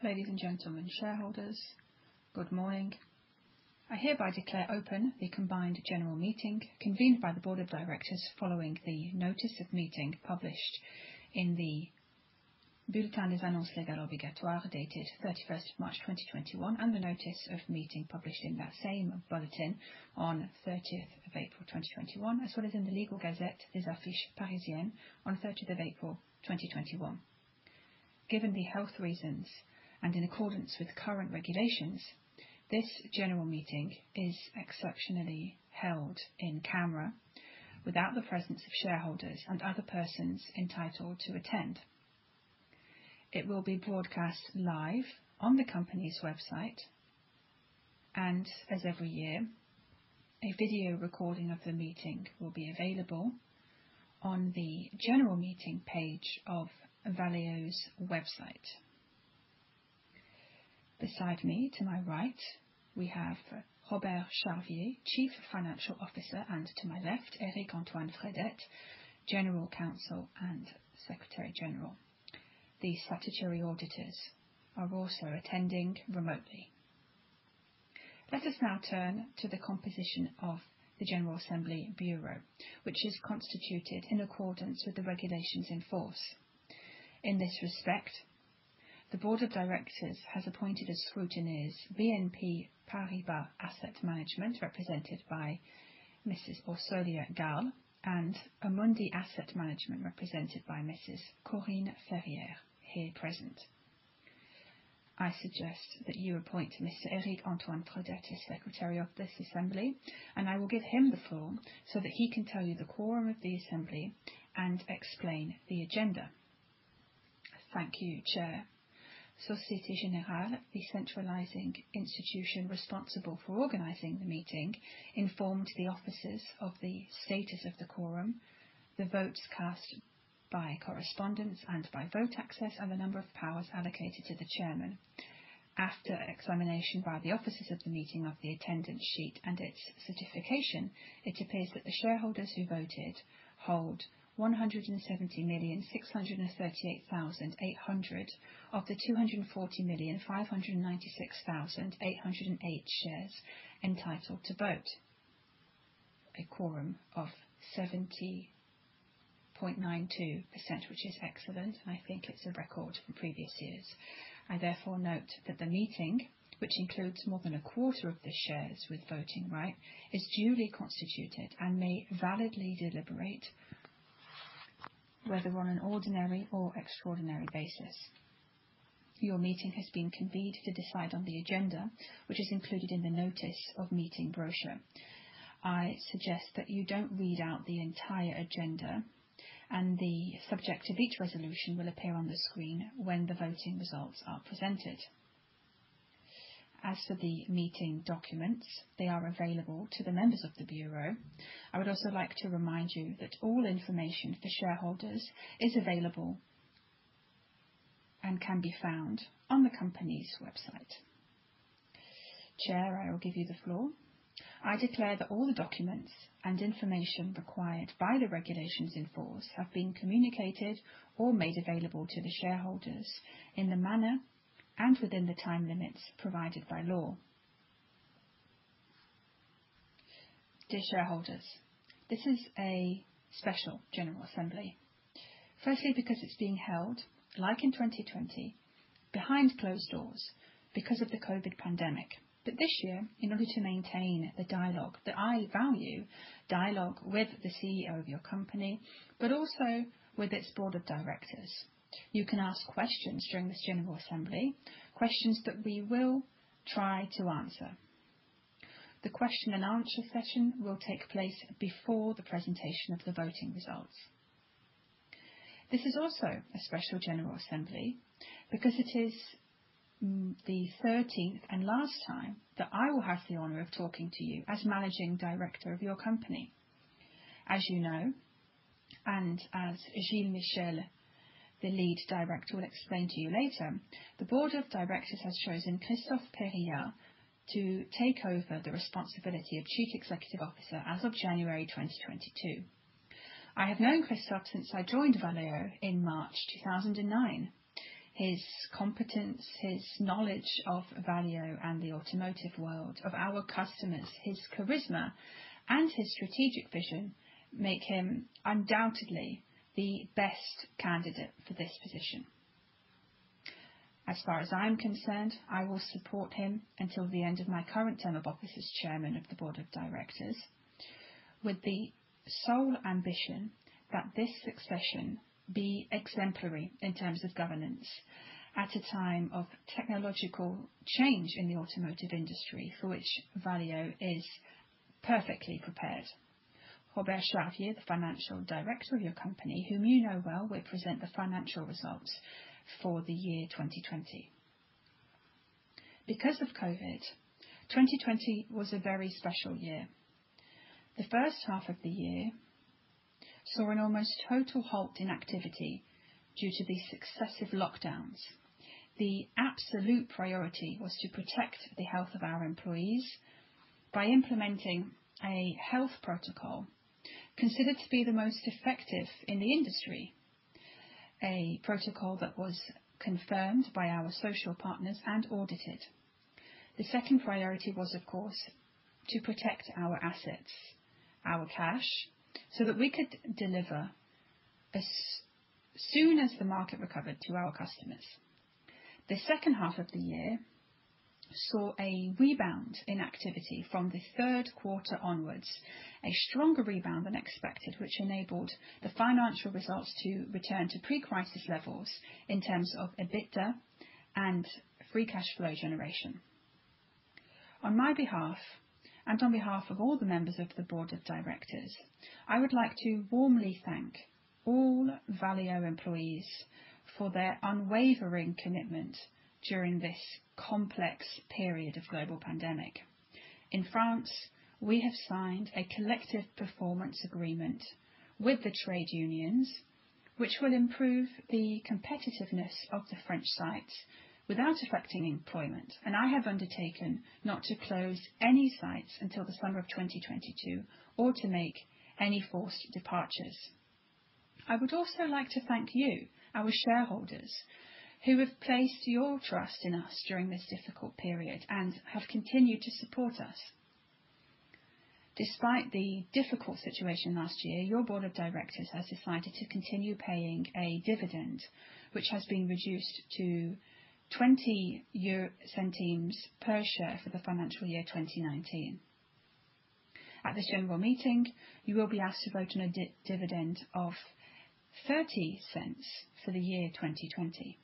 Ladies and gentlemen, shareholders, good morning. I hereby declare open the combined general meeting convened by the Board of Directors following the notice of meeting published in the Bulletin Officiel du Groupe Valeo dated 31st March 2021, and the notice of meeting published in that same bulletin on 30th April 2021, as well as in the Legal Gazette, Le Journal Officiel, on 30th April 2021. Given the health reasons and in accordance with current regulations, this general meeting is exceptionally held in camera without the presence of shareholders and other persons entitled to attend. It will be broadcast live on the company's website, and as every year, a video recording of the meeting will be available on the general meeting page of Valeo's website. Beside me, to my right, we have Robert Charvier, Chief Financial Officer, and to my left, Eric-Antoine Fredette, General Counsel and Secretary General. The statutory auditors are also attending remotely. Let us now turn to the composition of the general assembly bureau, which is constituted in accordance with the regulations in force. In this respect, the board of directors has appointed as scrutineers BNP Paribas Asset Management, represented by Mrs Orsolya Gaal, and Amundi Asset Management, represented by Mrs Corinne Février, here present. I suggest that you appoint Mr Eric-Antoine Fredette as secretary of this assembly, and I will give him the floor so that he can tell you the quorum of the assembly and explain the agenda. Thank you, Chair. Société Générale, the centralizing institution responsible for organizing the meeting, informs the officers of the status of the quorum, the votes cast by correspondence and by votaccess, and the number of powers allocated to the chairman. After examination by the officers of the meeting of the attendance sheet and its certification, it appears that the shareholders who voted hold 170,638,800 of the 240,596,808 shares entitled to vote. A quorum of 70.92%, which is excellent. I think it's a record from previous years. I note that the meeting, which includes more than a quarter of the shares with voting right, is duly constituted and may validly deliberate, whether on an ordinary or extraordinary basis. Your meeting has been convened to decide on the agenda, which is included in the notice of meeting brochure. I suggest that you don't read out the entire agenda. The subject of each resolution will appear on the screen when the voting results are presented. As for the meeting documents, they are available to the members of the bureau. I would also like to remind you that all information for shareholders is available and can be found on the company's website. Chair, I will give you the floor. I declare that all the documents and information required by the regulations in force have been communicated or made available to the shareholders in the manner and within the time limits provided by law. Dear shareholders, this is a special general assembly. It's being held, like in 2020, behind closed doors because of the COVID pandemic. This year, in order to maintain the dialogue that I value, dialogue with the CEO of your company, but also with its Board of Directors, you can ask questions during this general assembly, questions that we will try to answer. The question and answer session will take place before the presentation of the voting results. This is also a special general assembly because it is the 13th and last time that I will have the honor of talking to you as managing director of your company. As you know, and as Gilles Michel, the lead director, will explain to you later, the board of directors has chosen Christophe Périllat to take over the responsibility of chief executive officer as of January 2022. I have known Christophe since I joined Valeo in March 2009. His competence, his knowledge of Valeo and the automotive world, of our customers, his charisma, and his strategic vision make him undoubtedly the best candidate for this position. As far as I'm concerned, I will support him until the end of my current term of office as chairman of the board of directors with the sole ambition that this succession be exemplary in terms of governance at a time of technological change in the automotive industry, for which Valeo is perfectly prepared. Robert Charvier, the financial director of your company, whom you know well, will present the financial results for the year 2020. Because of COVID, 2020 was a very special year. The first half of the year saw an almost total halt in activity due to the successive lockdowns. The absolute priority was to protect the health of our employees. By implementing a health protocol considered to be the most effective in the industry, a protocol that was confirmed by our social partners and audited. The second priority was, of course, to protect our assets, our cash, so that we could deliver as soon as the market recovered to our customers. The second half of the year saw a rebound in activity from the Q3 onwards, a stronger rebound than expected, which enabled the financial results to return to pre-crisis levels in terms of EBITDA and free cash flow generation. On my behalf, and on behalf of all the members of the board of directors, I would like to warmly thank all Valeo employees for their unwavering commitment during this complex period of global pandemic. In France, we have signed a collective performance agreement with the trade unions, which will improve the competitiveness of the French sites without affecting employment. I have undertaken not to close any sites until the summer of 2022 or to make any forced departures. I would also like to thank you, our shareholders, who have placed your trust in us during this difficult period and have continued to support us. Despite the difficult situation last year, your board of directors has decided to continue paying a dividend, which has been reduced to 0.20 per share for the financial year 2019. At the general meeting, you will be asked to vote on a dividend of 0.30 for the year 2020.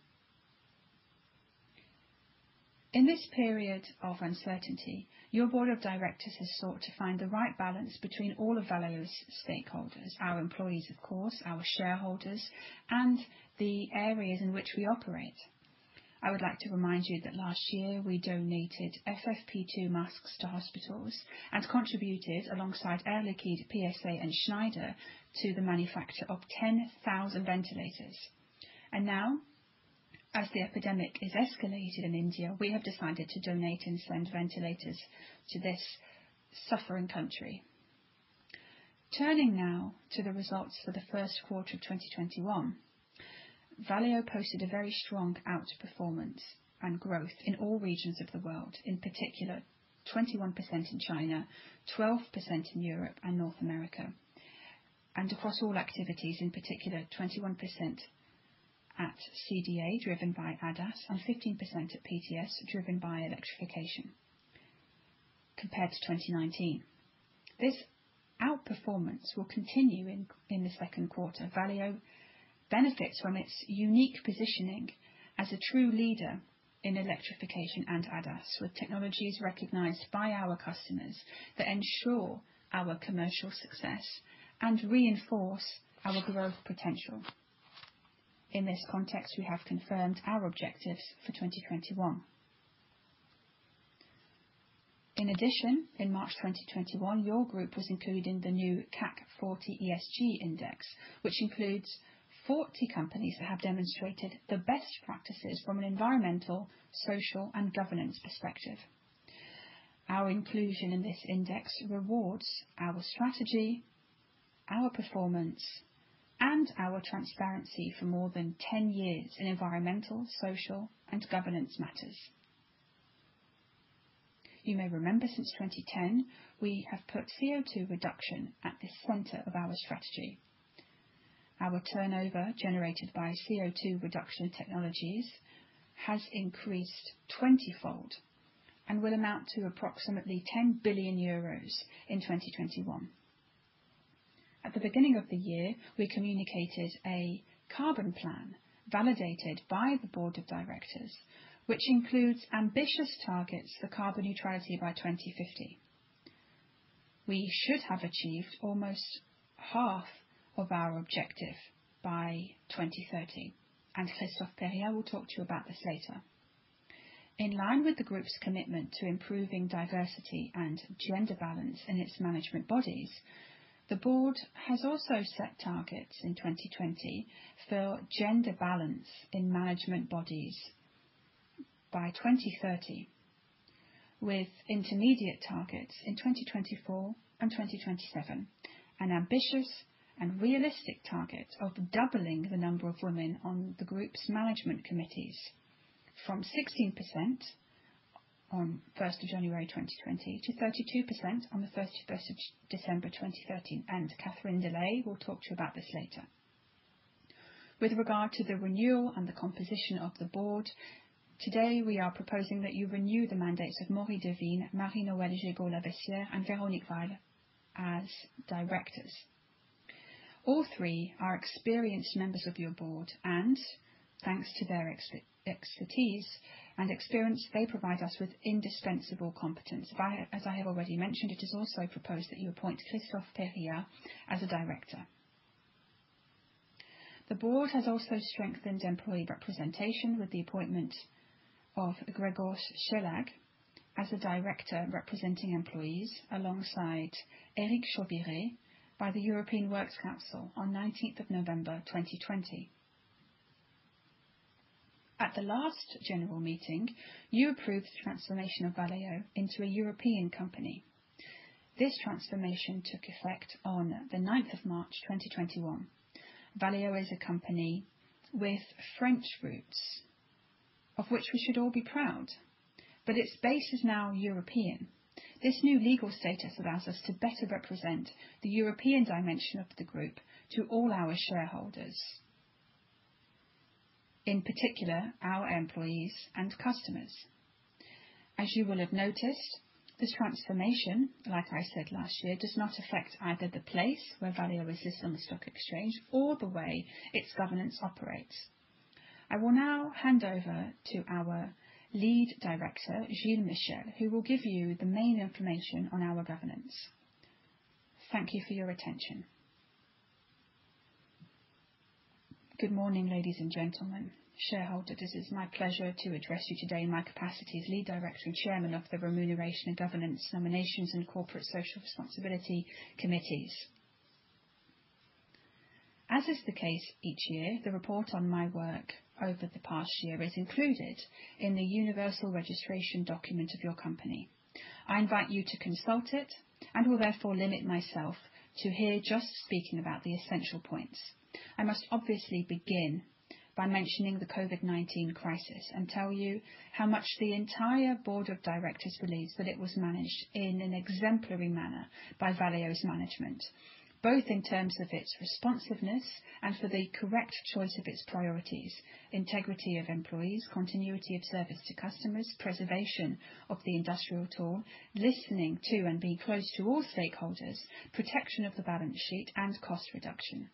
In this period of uncertainty, your board of directors has sought to find the right balance between all of Valeo's stakeholders, our employees, of course, our shareholders, and the areas in which we operate. I would like to remind you that last year we donated FFP2 masks to hospitals and contributed alongside Air Liquide, PSA, and Schneider to the manufacture of 10,000 ventilators. Now, as the epidemic is escalating in India, we have decided to donate and send ventilators to this suffering country. Turning now to the results for the Q1 of 2021, Valeo posted a very strong outperformance and growth in all regions of the world, in particular 21% in China, 12% in Europe and North America, and across all activities, in particular 21% at CDA, driven by ADAS, and 15% at PTS, driven by electrification compared to 2019. This outperformance will continue in the Q2. Valeo benefits from its unique positioning as a true leader in electrification and ADAS, with technologies recognized by our customers that ensure our commercial success and reinforce our growth potential. In this context, we have confirmed our objectives for 2021. In addition, in March 2021, your group was included in the new CAC 40 ESG Index, which includes 40 companies that have demonstrated the best practices from an environmental, social, and governance perspective. Our inclusion in this index rewards our strategy, our performance, and our transparency for more than 10 years in environmental, social, and governance matters. You may remember, since 2010, we have put CO2 reduction at the center of our strategy. Our turnover generated by CO2 reduction technologies has increased 20-fold and will amount to approximately 10 billion euros in 2021. At the beginning of the year, we communicated a carbon plan validated by the board of directors, which includes ambitious targets for carbon neutrality by 2050. We should have achieved almost half of our objective by 2030. Christophe Périllat will talk to you about this later. In line with the group's commitment to improving diversity and gender balance in its management bodies, the board has also set targets in 2020 for gender balance in management bodies by 2030, with intermediate targets in 2024 and 2027. An ambitious and realistic target of doubling the number of women on the group's management committees from 16% on 1st of January 2020 to 32% on the 31st of December 2030. Catherine Delhaye will talk to you about this later. With regard to the renewal and the composition of the board, today we are proposing that you renew the mandates of Maurie Daveen, Marie-Noëlle Jégo-Lavessière, and Véronique Weill as directors. All three are experienced members of your board, and thanks to their expertise and experience, they provide us with indispensable competence. As I have already mentioned, it is also proposed that you appoint Christophe Périllat as a director. The board has also strengthened employee representation with the appointment of Grzegorz Szelag as a director representing employees alongside Eric Chauvirey by the European Works Council on 19th of November 2020. At the last general meeting, you approved the transformation of Valeo into a European company. This transformation took effect on the 9th, March 2021. Valeo is a company with French roots of which we should all be proud, but its base is now European. This new legal status allows us to better represent the European dimension of the group to all our shareholders, in particular our employees and customers. As you will have noticed, the transformation, like I said last year, does not affect either the place where Valeo is on the stock exchange or the way its governance operates. I will now hand over to our Lead Director, Gilles Michel, who will give you the main information on our governance. Thank you for your attention. Good morning, ladies and gentlemen, shareholders. It is my pleasure to address you today in my capacity as Lead Director and Chairman of the Remuneration, Governance, Nominations, and Corporate Social Responsibility Committees. As is the case each year, the report on my work over the past year is included in the universal registration document of your company. I invite you to consult it and will therefore limit myself to here just speaking about the essential points. I must obviously begin by mentioning the COVID-19 crisis and tell you how much the entire Board of Directors believes that it was managed in an exemplary manner by Valeo's management, both in terms of its responsiveness and for the correct choice of its priorities, integrity of employees, continuity of service to customers, preservation of the industrial tool, listening to and being close to all stakeholders, protection of the balance sheet, and cost reduction.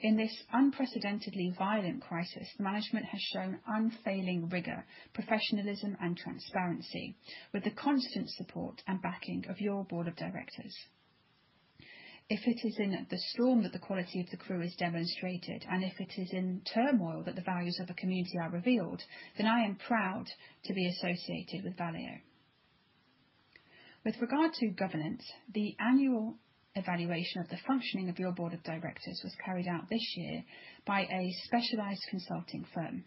In this unprecedentedly violent crisis, management has shown unfailing rigor, professionalism, and transparency with the constant support and backing of your Board of Directors. If it is in the storm that the quality of the crew is demonstrated, and if it is in turmoil that the values of a community are revealed, then I am proud to be associated with Valeo. With regard to governance, the annual evaluation of the functioning of your board of directors was carried out this year by a specialized consulting firm.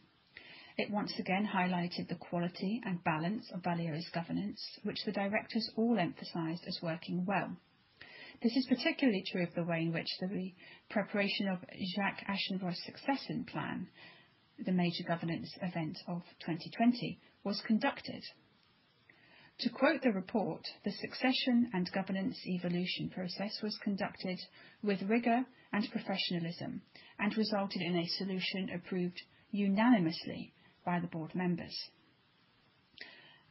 It once again highlighted the quality and balance of Valeo's governance, which the directors all emphasized as working well. This is particularly true of the way in which the preparation of Jacques Aschenbroich's succession plan, the major governance event of 2020, was conducted. To quote the report, "The succession and governance evaluation process was conducted with rigor and professionalism and resulted in a solution approved unanimously by the board members."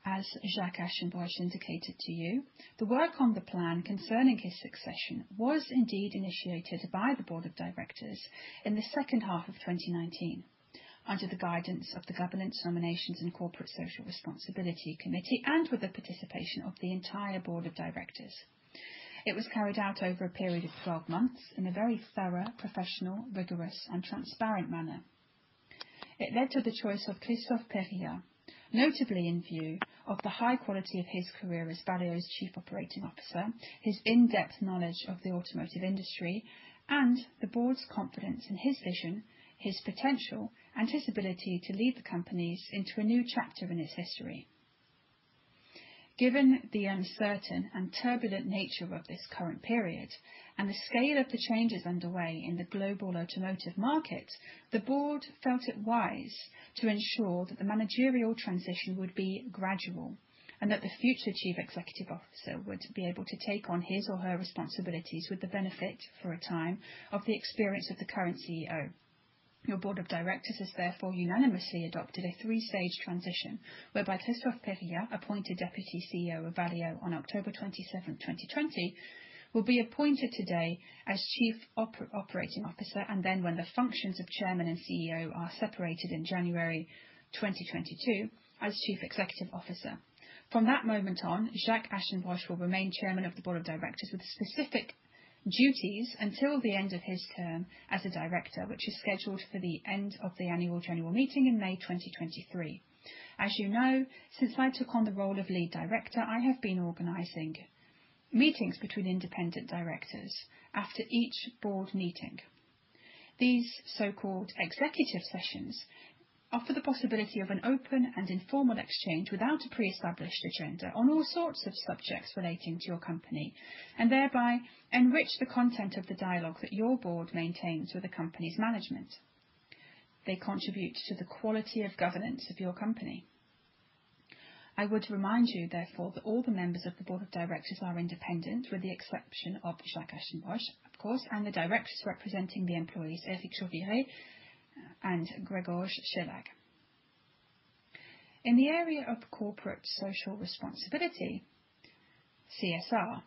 As Jacques Aschenbroich indicated to you, the work on the plan concerning his succession was indeed initiated by the board of directors in the second half of 2019 under the guidance of the Governance, Nominations, and Corporate Social Responsibility Committee and with the participation of the entire board of directors. It was carried out over a period of 12 months in a very thorough, professional, rigorous, and transparent manner. It led to the choice of Christophe Périllat, notably in view of the high quality of his career as Valeo's Chief Operating Officer, his in-depth knowledge of the automotive industry, and the board's confidence in his vision, his potential, and his ability to lead the company into a new chapter in its history. Given the uncertain and turbulent nature of this current period and the scale of the changes underway in the global automotive market, the board felt it wise to ensure that the managerial transition would be gradual and that the future Chief Executive Officer would be able to take on his or her responsibilities with the benefit, for a time, of the experience of the current CEO. Your board of directors has therefore unanimously adopted a three-stage transition whereby Christophe Périllat, appointed Deputy CEO of Valeo on October 27, 2020, will be appointed today as Chief Operating Officer, and then when the functions of Chairman and CEO are separated in January 2022, as Chief Executive Officer. From that moment on, Jacques Aschenbroich will remain Chairman of the Board of Directors with specific duties until the end of his term as a director, which is scheduled for the end of the annual general meeting in May 2023. As you know, since I took on the role of Lead Director, I have been organizing meetings between independent directors after each board meeting. These so-called executive sessions offer the possibility of an open and informal exchange without a pre-established agenda on all sorts of subjects relating to your company and thereby enrich the content of the dialogue that your board maintains with the company's management. They contribute to the quality of governance of your company. I would remind you, therefore, That all the members of the board of directors are independent with the exception of Jacques Aschenbroich, of course, and the directors representing the employees, Eric Chauvirey and Grzegorz Szelag. In the area of corporate social responsibility, CSR,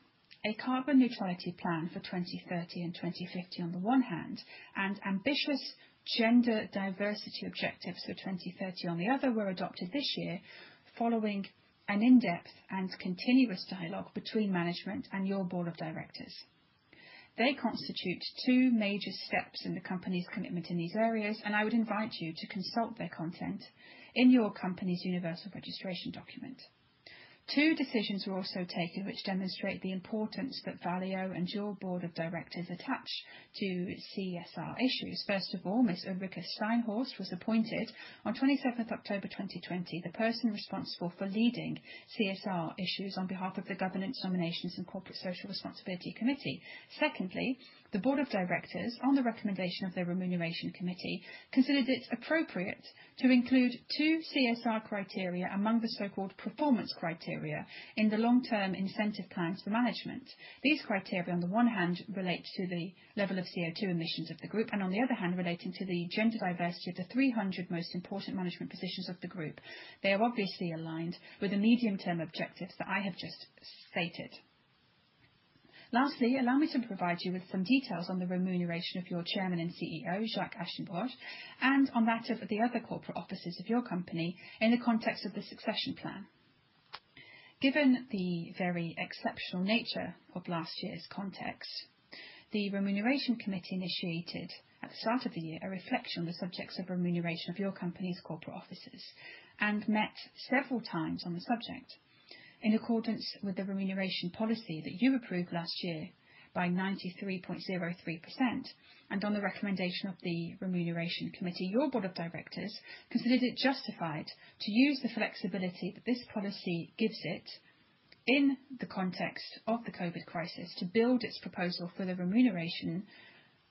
a carbon neutrality plan for 2030 and 2050 on the one hand, and ambitious gender diversity objectives for 2030 on the other, were adopted this year following an in-depth and continuous dialogue between management and your board of directors. They constitute two major steps in the company's commitment in these areas. I would invite you to consult their content in your company's universal registration document. Two decisions were also taken which demonstrate the importance that Valeo and your board of directors attach to CSR issues. Ms. Ulrike Steinhorst was appointed on 27th October 2020, the person responsible for leading CSR issues on behalf of the Governance Nominations and Corporate Social Responsibility Committee. The Board of Directors, on the recommendation of the Remuneration Committee, considers it appropriate to include two CSR criteria among the so-called performance criteria in the long-term incentive plans for management. These criteria, on the one hand, relate to the level of CO2 emissions of the Group, and on the other hand, relate to the gender diversity of the 300 most important management positions of the Group. They are obviously aligned with the medium-term objectives that I have just stated. Lastly, allow me to provide you with some details on the remuneration of your Chairman and CEO, Jacques Aschenbroich, and on that of the other corporate officers of your company in the context of the succession plan. Given the very exceptional nature of last year's context, the Remuneration Committee initiated at the start of the year a reflection on the subjects of remuneration of your company's corporate officers and met several times on the subject. In accordance with the remuneration policy that you approved last year by 93.03%, and on the recommendation of the Remuneration Committee, your Board of Directors considered it justified to use the flexibility that this policy gives it in the context of the COVID crisis to build its proposal for the remuneration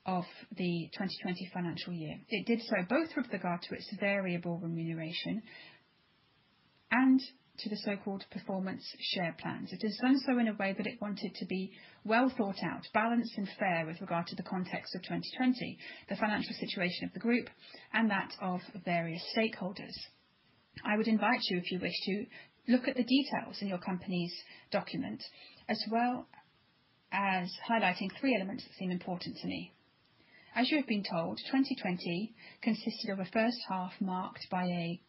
of the 2020 financial year. It did so both with regard to its variable remuneration and to the so-called performance share plans. It has done so in a way that it wanted to be well thought out, balanced, and fair with regard to the context of 2020, the financial situation of the Group, and that of various stakeholders. I would invite you, if you wish to, look at the details in your company's document, as well as highlighting three elements that seem important to me. As you have been told, 2020 consisted of a first half marked by a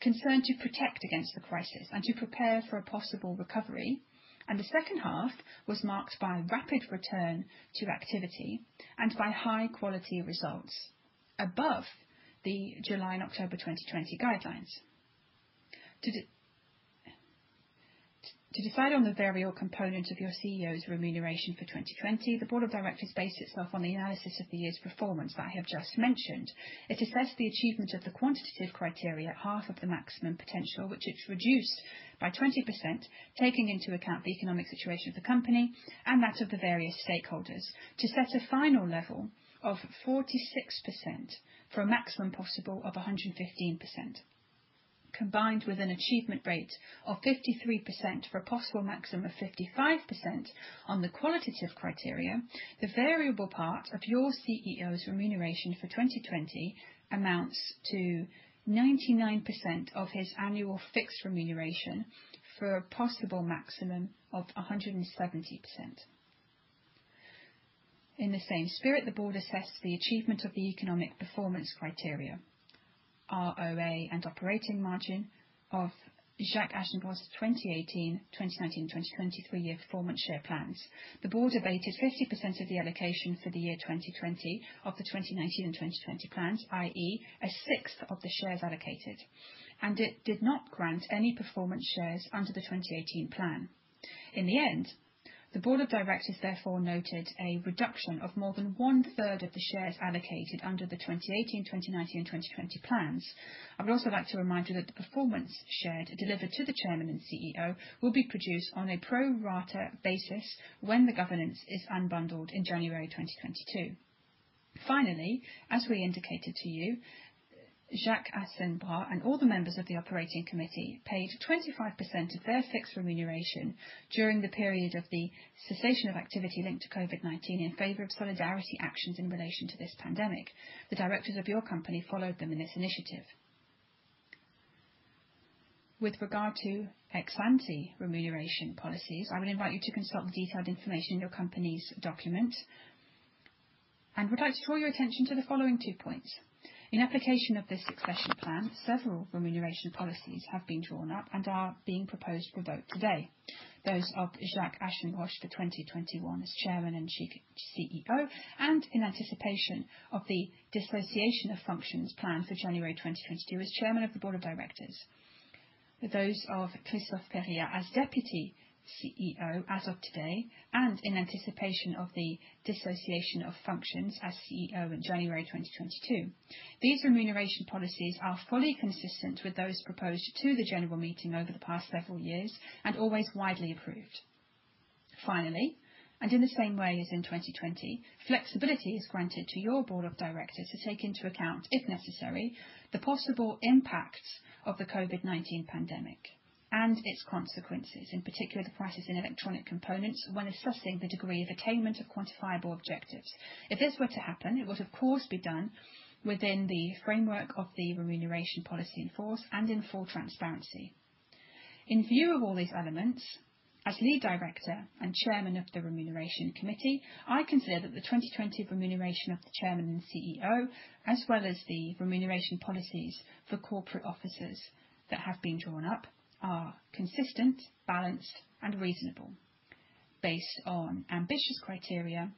concern to protect against the crisis and to prepare for a possible recovery, and the second half was marked by a rapid return to activity and by high-quality results above the July and October 2020 guidelines. To decide on the variable component of your CEO's remuneration for 2020, the board of directors based itself on the analysis of the year's performance I have just mentioned. It assessed the achievement of the quantitative criteria at half of the maximum potential, which it reduced by 20%, taking into account the economic situation of the company and that of the various stakeholders. To set a final level of 46% for a maximum possible of 115%, combined with an achievement rate of 53% for a possible maximum of 55% on the qualitative criteria, the variable part of your CEO's remuneration for 2020 amounts to 99% of his annual fixed remuneration for a possible maximum of 117%. In the same spirit, the Board assessed the achievement of the economic performance criteria, ROA and operating margin of Jacques Aschenbroich's 2018, 2019, and 2020 three-year performance share plans. The Board debated 50% of the allocation for the year 2020 of the 2019 and 2020 plans, i.e., a sixth of the shares allocated, and it did not grant any performance shares under the 2018 plan. In the end, the board of directors therefore noted a reduction of more than one-third of the shares allocated under the 2018, 2019, and 2020 plans. I would also like to remind you that the performance share delivered to the Chairman and CEO will be produced on a pro-rata basis when the governance is unbundled in January 2022. As we indicated to you, Jacques Aschenbroich and all the members of the operating committee paid 25% of their fixed remuneration during the period of the cessation of activity linked to COVID-19 in favor of solidarity actions in relation to this pandemic. The directors of your company followed them in this initiative. With regard to ex ante remuneration policies, I would invite you to consult the detailed information in your company's document and would like to draw your attention to the following two points. In application of the succession plan, several remuneration policies have been drawn up and are being proposed for vote today. Those of Jacques Aschenbroich for 2021 as Chairman and CEO, and in anticipation of the dissociation of functions planned for January 2022 as Chairman of the Board of Directors. Those of Christophe Périllat as Deputy CEO as of today and in anticipation of the dissociation of functions as CEO in January 2022. These remuneration policies are fully consistent with those proposed to the general meeting over the past several years and always widely approved. Finally, and in the same way as in 2020, flexibility is granted to your Board of Directors to take into account, if necessary, the possible impact of the COVID-19 pandemic and its consequences, in particular the crisis in electronic components, when assessing the degree of attainment of quantifiable objectives. If this were to happen, it would of course be done within the framework of the remuneration policy in force and in full transparency. In view of all these elements, as Lead Director and Chairman of the Remuneration Committee, I consider that the 2020 remuneration of the Chairman and CEO, as well as the remuneration policies for corporate officers that have been drawn up, are consistent, balanced, and reasonable, based on ambitious criteria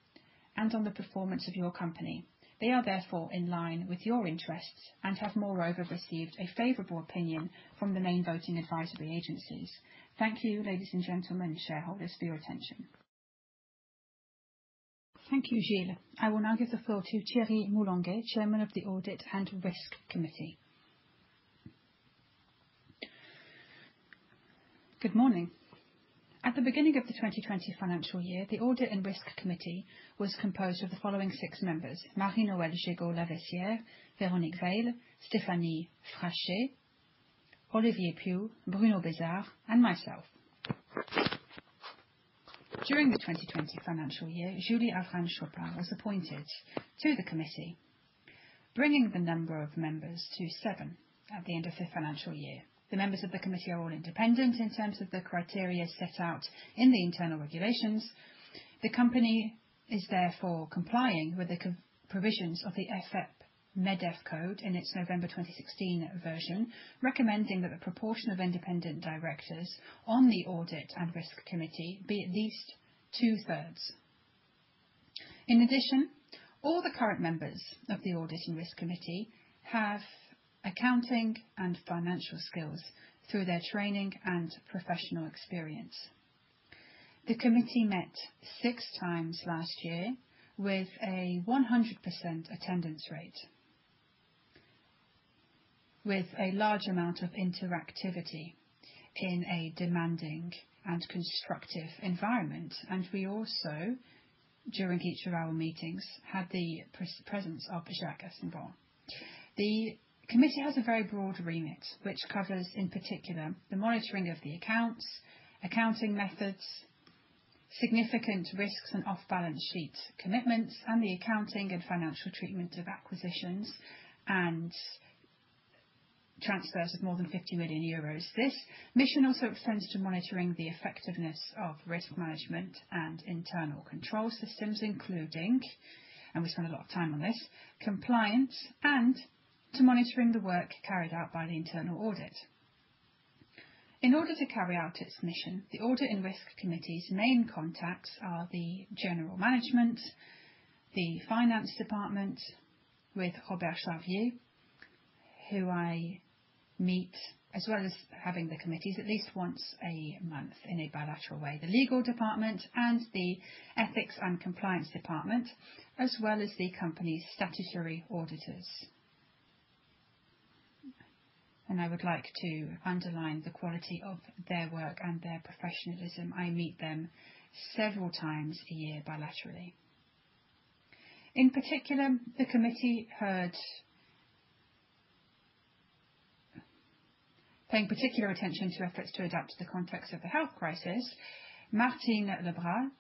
and on the performance of your company. They are therefore in line with your interests and have moreover received a favorable opinion from the main voting advisory agencies. Thank you, ladies and gentlemen, shareholders, for your attention. Thank you, Gilles. I will now give the floor to Thierry Moulonguet, Chairman of the Audit and Risk Committee. Good morning. At the beginning of the 2020 financial year, the Audit and Risk Committee was composed of the following six members: Marie-Noëlle Jégo-Lavessière, Véronique Weill, Stéphanie Frachet, Olivier Puech, Bruno Bazard, and myself. During the 2020 financial year, Julie Avrane-Chopard was appointed to the committee, bringing the number of members to seven at the end of the financial year. The members of the committee are all independent in terms of the criteria set out in the internal regulations. The company is therefore complying with the provisions of the AFEP-Medef code in its November 2016 version, recommending that the proportion of independent directors on the Audit and Risk Committee be at least two-thirds. In addition, all the current members of the Audit and Risk Committee have accounting and financial skills through their training and professional experience. The committee met 6x last year with a 100% attendance rate, with a large amount of interactivity in a demanding and constructive environment. We also, during each of our meetings, had the presence of PricewaterhouseCoopers. The committee has a very broad remit, which covers in particular the monitoring of the accounts, accounting methods, significant risks and off-balance sheet commitments, and the accounting and financial treatment of acquisitions and transfers of more than 50 million euros. This mission also extends to monitoring the effectiveness of risk management and internal control systems, including, and we spend a lot of time on this, compliance and to monitoring the work carried out by the internal audit. In order to carry out its mission, the Audit and Risk Committee's main contacts are the general management, the finance department with Robert Charvier, who I meet, as well as having the committees at least once a month in a bilateral way, the legal department and the ethics and compliance department, as well as the company's statutory auditors. I would like to underline the quality of their work and their professionalism. I meet them several times a year bilaterally. In particular, the committee heard paying particular attention to efforts to adapt to the context of the health crisis. Martine Le Bras,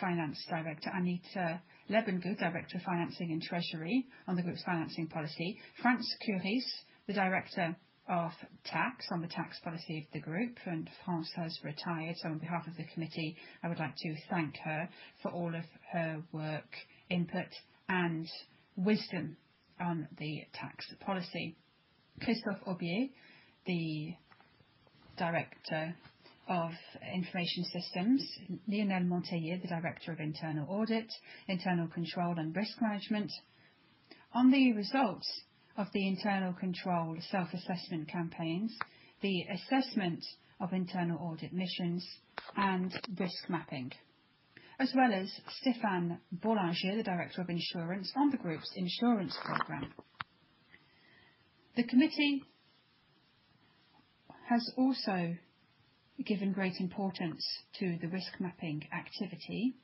Finance Director, Anita Lebengu, Director of Financing and Treasury on the group's financing policy, France Cuaris, Director of Tax on the tax policy of the group, and France has retired. On behalf of the committee, I would like to thank her for all of her work, input, and wisdom on the tax policy. Christophe Aubie, the Director of Information Systems, Lionel Monteiller, the Director of Internal Audit, Internal Control and Risk Management on the results of the internal control self-assessment campaigns, the assessment of internal audit missions and risk mapping, as well as Stéphane Bollinger, The Director of Insurance on the group's insurance program. The committee has also given great importance to the risk mapping activity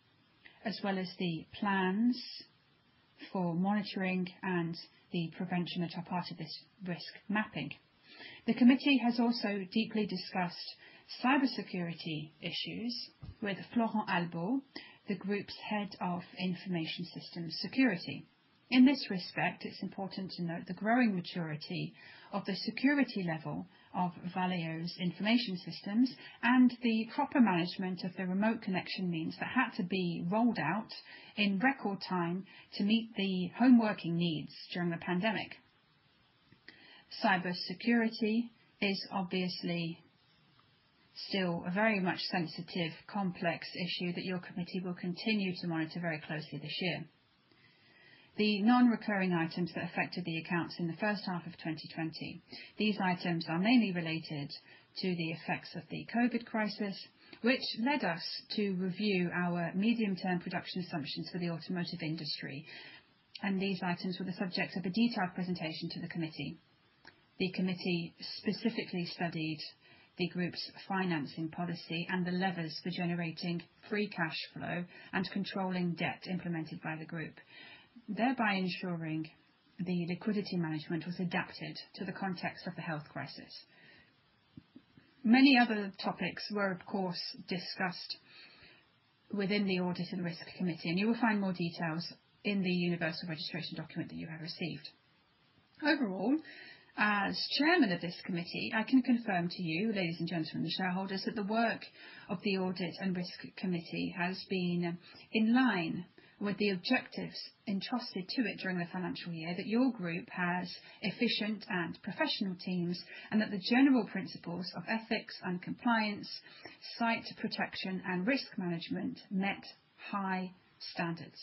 as well as the plans for monitoring and the prevention that are part of this risk mapping. The committee has also deeply discussed cybersecurity issues with Florent Albeau, the group's Head of Information Systems Security. In this respect, it's important to note the growing maturity of the security level of Valeo's information systems and the proper management of the remote connection means that had to be rolled out in record time to meet the home working needs during the pandemic. Cybersecurity is obviously still a very much sensitive, complex issue that your committee will continue to monitor very closely this year. The non-recurring items that affected the accounts in the first half of 2020, these items are mainly related to the effects of the COVID crisis, which led us to review our medium-term production assumptions for the automotive industry, and these items were the subject of a detailed presentation to the committee. The committee specifically studied the group's financing policy and the levers for generating free cash flow and controlling debt implemented by the group, thereby ensuring the liquidity management was adapted to the context of the health crisis. Many other topics were, of course, discussed within the Audit and Risk Committee, and you will find more details in the Universal Registration Document that you have received. Overall, as chairman of this committee, I can confirm to you, ladies and gentlemen, the shareholders, that the work of the Audit and Risk Committee has been in line with the objectives entrusted to it during the financial year, that your group has efficient and professional teams, and that the general principles of ethics and compliance, site protection, and risk management met high standards.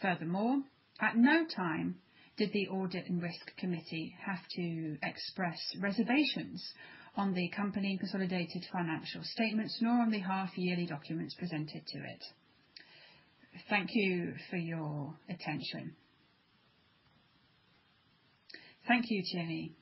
Furthermore, at no time did the Audit and Risk Committee have to express reservations on the company consolidated financial statements, nor on behalf of the yearly documents presented to it. Thank you for your attention. Thank you, Thierry.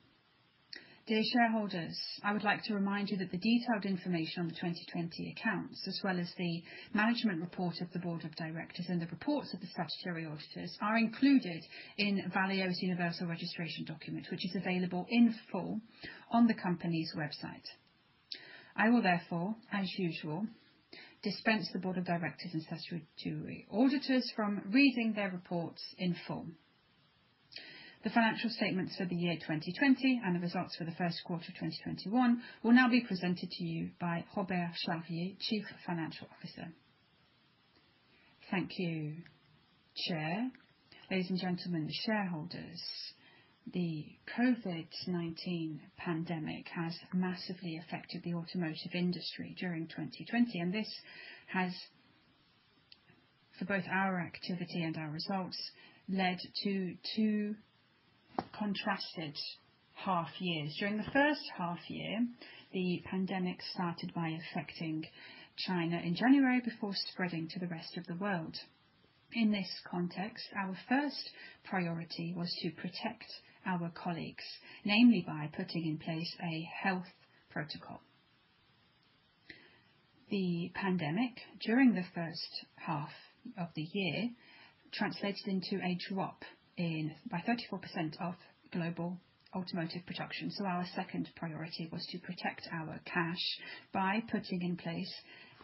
Dear shareholders, I would like to remind you that the detailed information on the 2020 accounts, as well as the management report of the board of directors and the reports of the statutory auditors, are included in Valeo's universal registration document, which is available in full on the company's website. I will therefore, as usual, dispense the board of directors and statutory auditors from reading their reports in full. The financial statements for the year 2020 and the results for the Q1 2021 will now be presented to you by Robert Charvier, Chief Financial Officer. Thank you, Chair. Ladies and gentlemen, shareholders. The COVID-19 pandemic has massively affected the automotive industry during 2020. This has, for both our activity and our results, led to two contrasted half years. During the first half year, the pandemic started by affecting China in January before spreading to the rest of the world. In this context, our first priority was to protect our colleagues, namely by putting in place a health protocol. The pandemic, during the first half of the year, translated into a drop by 34% of global automotive production. Our second priority was to protect our cash by putting in place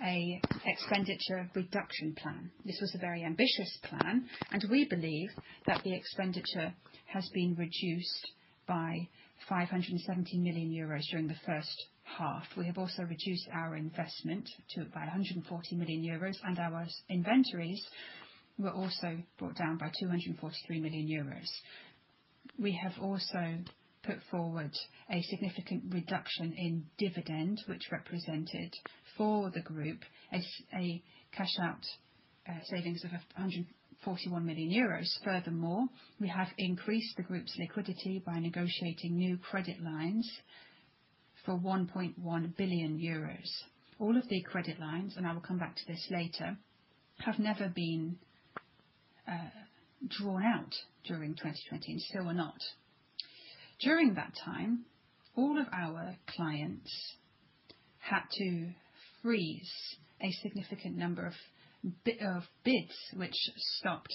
a expenditure reduction plan. This was a very ambitious plan, and we believe that the expenditure has been reduced by 570 million euros during the first half. We have also reduced our investment by 140 million euros, and our inventories were also brought down by 243 million euros. We have also put forward a significant reduction in dividend, which represented for the group a cash-out savings of 141 million euros. We have increased the group's liquidity by negotiating new credit lines for 1.1 billion euros. All of the credit lines, and I will come back to this later, have never been drawn out during 2020, still are not. During that time, all of our clients had to freeze a significant number of bids, which stopped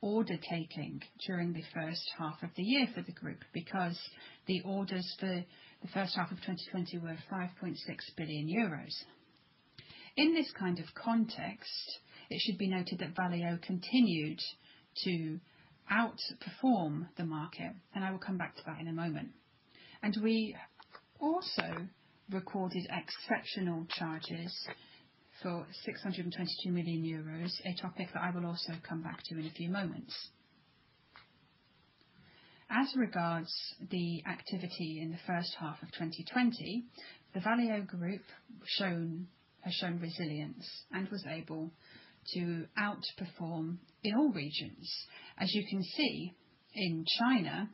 order-taking during the first half of the year for the group because the orders for the first half of 2020 were 5.6 billion euros. In this kind of context, it should be noted that Valeo continued to outperform the market, I will come back to that in a moment. We also recorded exceptional charges for 622 million euros, a topic that I will also come back to in a few moments. As regards the activity in the first half of 2020, the Valeo group has shown resilience and was able to outperform in all regions. As you can see, in China,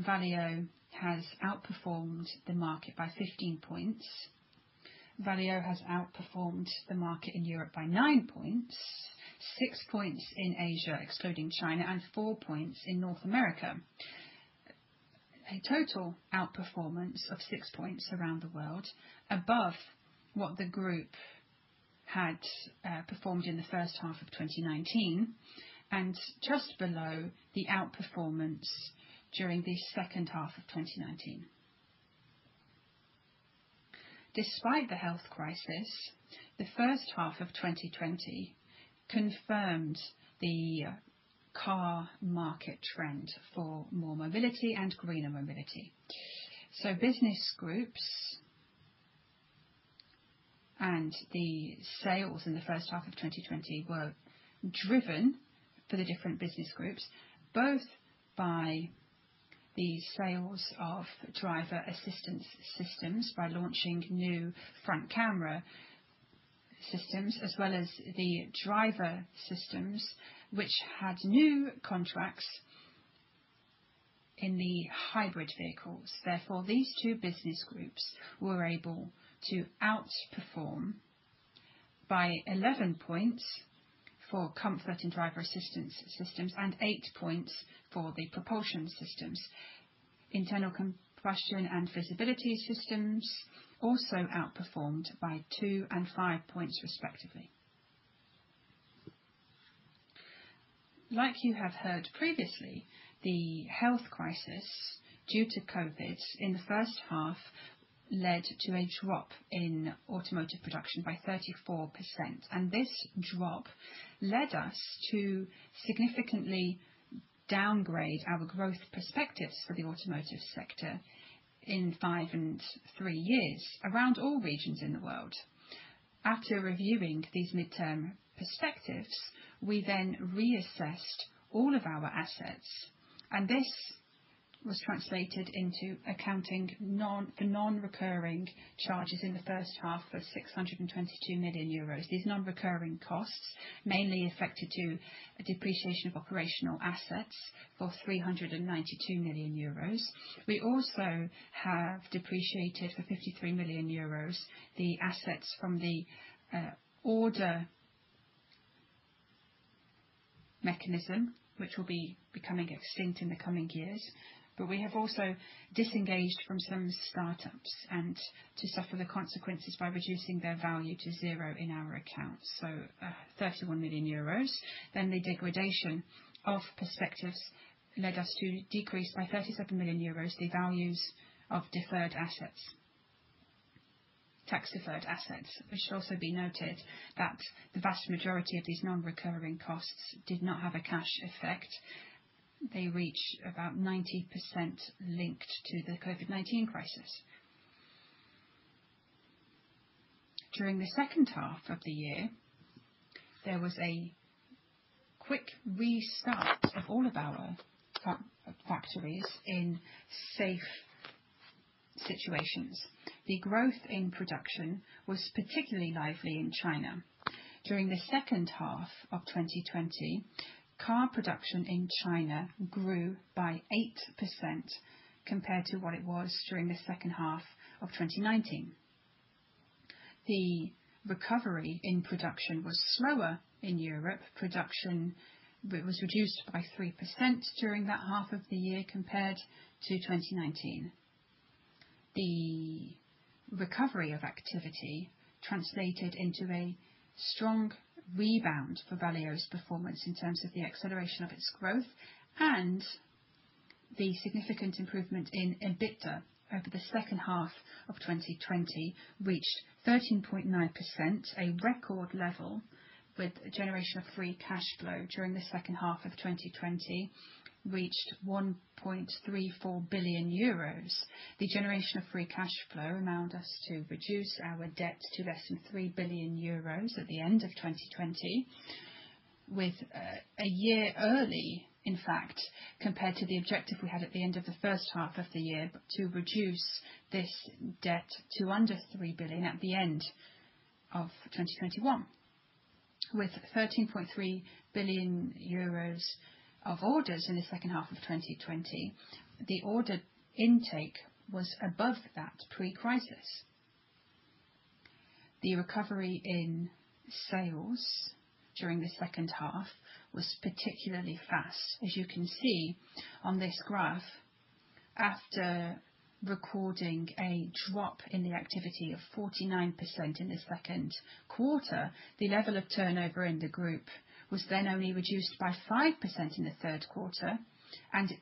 Valeo has outperformed the market by 15 points. Valeo has outperformed the market in Europe by nine points, six points in Asia, excluding China, and four points in North America. A total outperformance of six points around the world above what the group had performed in the first half of 2019, and just below the outperformance during the second half of 2019. Despite the health crisis, the first half of 2020 confirmed the car market trend for more mobility and greener mobility. Business groups and the sales in the first half of 2020 were driven for the different business groups, both by the sales of driver assistance systems by launching new front camera systems, as well as the driver systems which had new contracts in the hybrid vehicles. Therefore, these two business groups were able to outperform by 11 points for comfort and driver assistance systems and 8 points for the propulsion systems. Internal combustion and visibility systems also outperformed by two and five points, respectively. Like you have heard previously, the health crisis due to COVID in the first half led to a drop in automotive production by 34%. And this drop led us to significantly downgrade our growth perspectives for the automotive sector in five and three years around all regions in the world. After reviewing these midterm perspectives, we then reassessed all of our assets, and this was translated into accounting non-recurring charges in the first half of 622 million euros. These non-recurring costs, mainly affected to a depreciation of operational assets of 392 million euros. We also have depreciated, for 53 million euros, the assets from the order mechanism, which will be becoming extinct in the coming years. We have also disengaged from some startups, and to suffer the consequences by reducing their value to zero in our accounts, so 31 million euros. The degradation of perspectives led us to decrease, by 37 million euros, the values of tax deferred assets. It should also be noted that the vast majority of these non-recurring costs did not have a cash effect. They reach about 90% linked to the COVID-19 crisis. During the second half of the year, there was a quick restart of all of our factories in safe situations. The growth in production was particularly lively in China. During the second half of 2020, car production in China grew by 8% compared to what it was during the second half of 2019. The recovery in production was slower in Europe. Production was reduced by 3% during that half of the year compared to 2019. The recovery of activity translated into a strong rebound for Valeo's performance in terms of the acceleration of its growth, and the significant improvement in EBITDA over the second half of 2020 reached 13.9%, a record level, with a generation of free cash flow during the second half of 2020 reached 1.34 billion euros. The generation of free cash flow allowed us to reduce our debt to less than 3 billion euros at the end of 2020, with a year early, in fact, compared to the objective we had at the end of the first half of the year to reduce this debt to under 3 billion at the end of 2021. With 13.3 billion euros of orders in the second half of 2020, the order intake was above that pre-crisis. The recovery in sales during the second half was particularly fast. As you can see on this graph, after recording a drop in the activity of 49% in the Q2, the level of turnover in the group was then only reduced by 5% in the Q3, and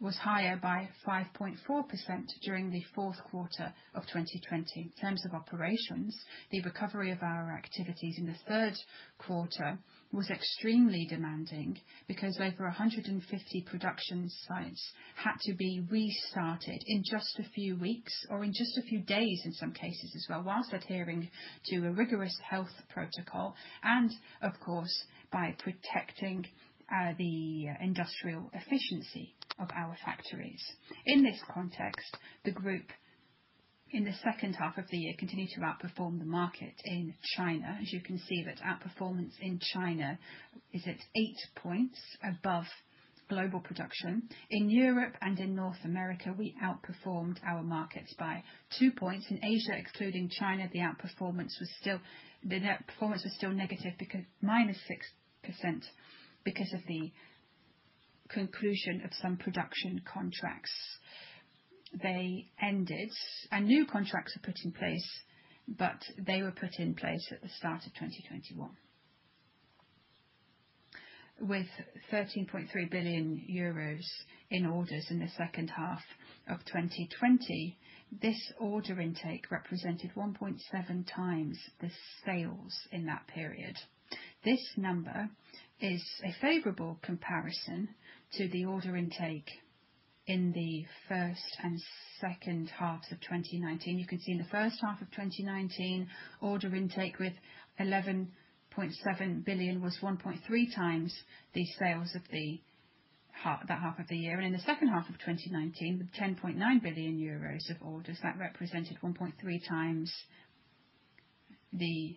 was higher by 5.4% during the Q4 of 2020. In terms of operations, the recovery of our activities in the Q3 was extremely demanding because over 150 production sites had to be restarted in just a few weeks, or in just a few days in some cases as well, while adhering to a rigorous health protocol, and of course, by protecting the industrial efficiency of our factories. In this context, the group, in the second half of the year, continued to outperform the market in China. As you can see, that outperformance in China is at eight points above global production. In Europe and in North America, we outperformed our markets by two points. In Asia, excluding China, the outperformance was still negative, -6%, because of the conclusion of some production contracts. They ended, and new contracts are put in place, but they were put in place at the start of 2021. With 13.3 billion euros in orders in the second half of 2020, this order intake represented 1.7x the sales in that period. This number is a favorable comparison to the order intake in the first and second half of 2019. You can see in the first half of 2019, order intake with 11.7 billion was 1.3x the sales of that half of the year. In the second half of 2019, with 10.9 billion euros of orders, that represented 1.3x the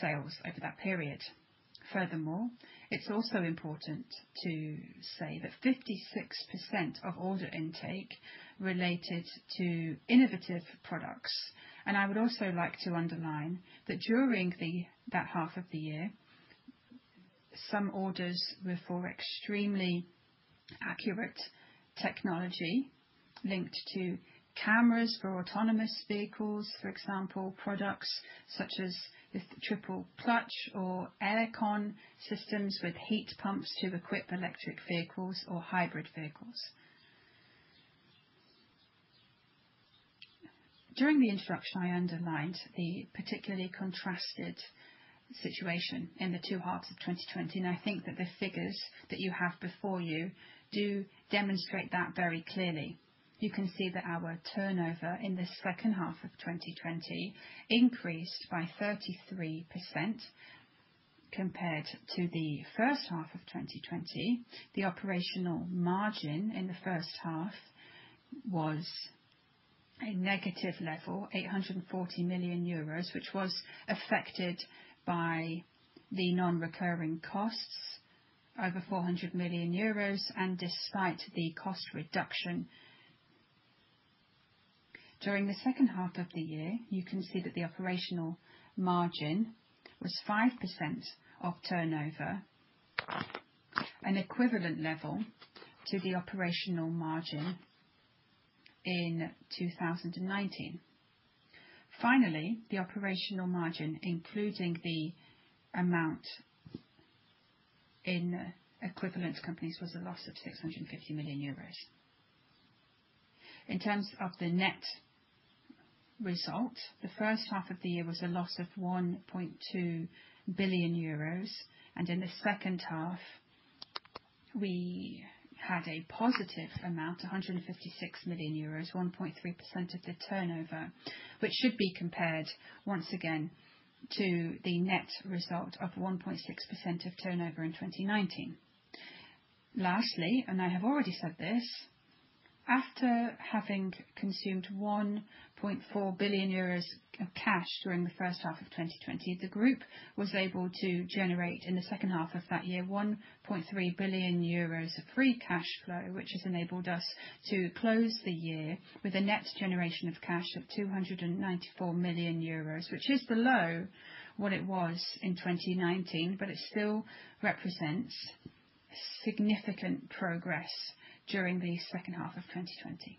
sales over that period. Furthermore, it's also important to say that 56% of order intake related to innovative products. I would also like to underline that during that half of the year, some orders were for extremely accurate technology linked to cameras for autonomous vehicles, for example, products such as the triple clutch or air con systems with heat pumps to equip electric vehicles or hybrid vehicles. During the introduction, I underlined the particularly contrasted situation in the two halves of 2020, and I think that the figures that you have before you do demonstrate that very clearly. You can see that our turnover in the second half of 2020 increased by 33% compared to the first half of 2020, the operational margin in the first half was a negative level, 840 million euros, which was affected by the non-recurring costs, over 400 million euros, and despite the cost reduction. During the second half of the year, you can see that the operational margin was 5% of turnover, an equivalent level to the operational margin in 2019. Finally, the operational margin, including the amount in equivalent companies, was a loss of 650 million euros. In terms of the net result, the first half of the year was a loss of 1.2 billion euros, and in the second half, we had a positive amount, 156 million euros, 1.3% of the turnover, which should be compared, once again, to the net result of 1.6% of turnover in 2019. Lastly, I have already said this, after having consumed 1.4 billion euros of cash during the first half of 2020, the group was able to generate, in the second half of that year, 1.3 billion euros of free cash flow, which has enabled us to close the year with a net generation of cash of 294 million euros, which is below what it was in 2019, but it still represents significant progress during the second half of 2020.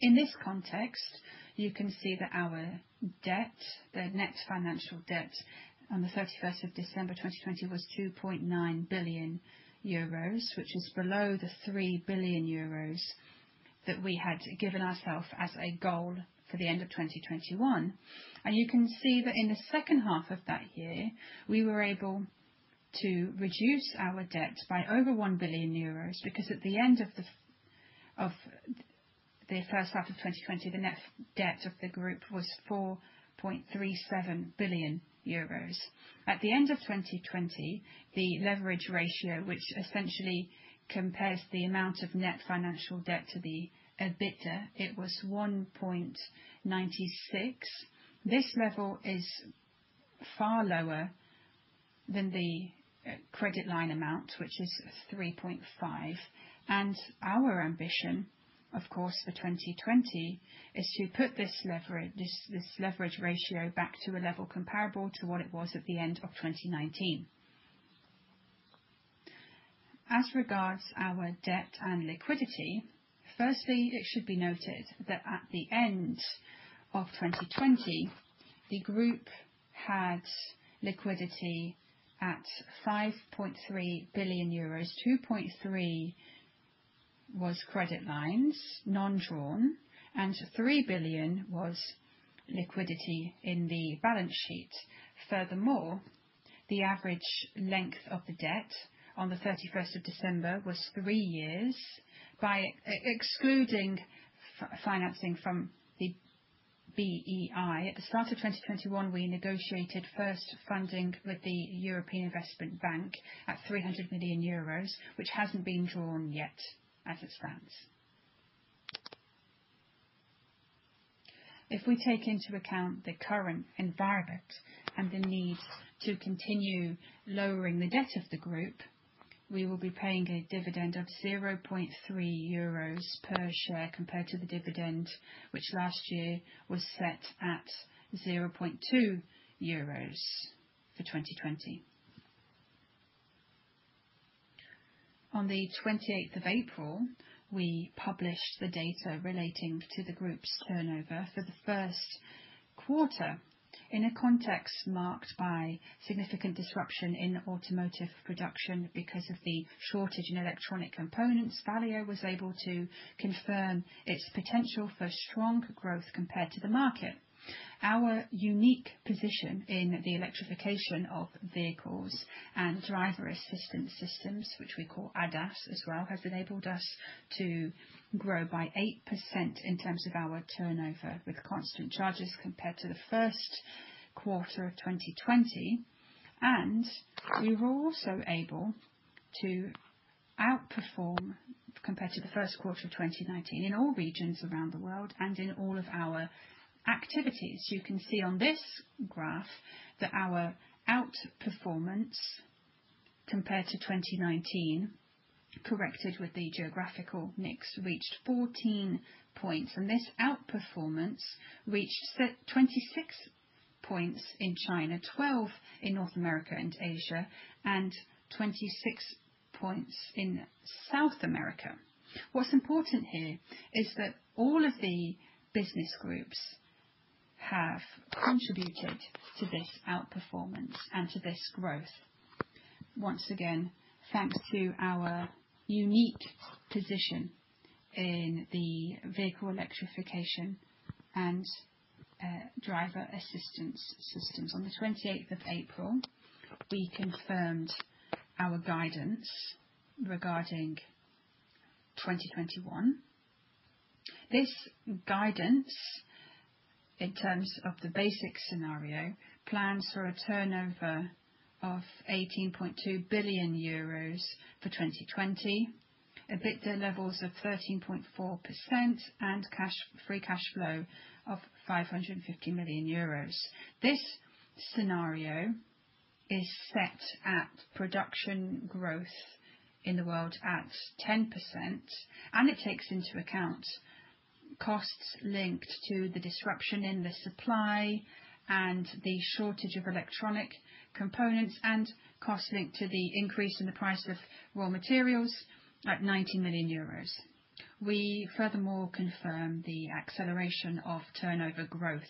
In this context, you can see that our debt, the net financial debt on the 31st of December 2020 was 2.9 billion euros, which is below the 3 billion euros that we had given ourselves as a goal for the end of 2021. You can see that in the second half of that year, we were able to reduce our debt by over 1 billion euros because at the end of the first half of 2020, the net debt of the group was 4.37 billion euros. At the end of 2020, the leverage ratio, which essentially compares the amount of net financial debt to the EBITDA, was 1.96. This level is far lower than the credit line amount, which is 3.5. Our ambition, of course, for 2020 is to put this leverage ratio back to a level comparable to what it was at the end of 2019. As regards our debt and liquidity, firstly, it should be noted that at the end of 2020, the group had liquidity at 5.3 billion euros, 2.3 billion was credit lines, non-drawn, and 3 billion was liquidity in the balance sheet. Furthermore, the average length of the debt on the 31st of December was three years. By excluding financing from the EIB at the start of 2021, we negotiated first funding with the European Investment Bank at 300 million euros, which hasn't been drawn yet as it stands. If we take into account the current environment and the need to continue lowering the debt of the group, we will be paying a dividend of 0.3 euros per share, compared to the dividend, which last year was set at 0.2 euros for 2020. On the 28th of April, we published the data relating to the group's turnover for the Q1. In a context marked by significant disruption in automotive production because of the shortage in electronic components, Valeo was able to confirm its potential for strong growth compared to the market. Our unique position in the electrification of vehicles and driver assistance systems, which we call ADAS as well, has enabled us to grow by 8% in terms of our turnover with constant charges compared to the Q1 of 2020. We were also able to outperform compared to the Q1 of 2019 in all regions around the world and in all of our activities. You can see on this graph that our outperformance compared to 2019, corrected with the geographical mix, reached 14 points. This outperformance reached 26 points in China, 12 in North America and Asia, and 26 points in South America. What's important here is that all of the business groups have contributed to this outperformance and to this growth. Once again, thanks to our unique position in the vehicle electrification and driver assistance systems. On the 28th of April, we confirmed our guidance regarding 2021. This guidance in terms of the basic scenario plans for a turnover of 18.2 billion euros for 2020, EBITDA levels of 13.4%, and free cash flow of 550 million euros. This scenario is set at production growth in the world at 10%, and it takes into account costs linked to the disruption in the supply and the shortage of electronic components and costs linked to the increase in the price of raw materials at 90 million euros. We furthermore confirm the acceleration of turnover growth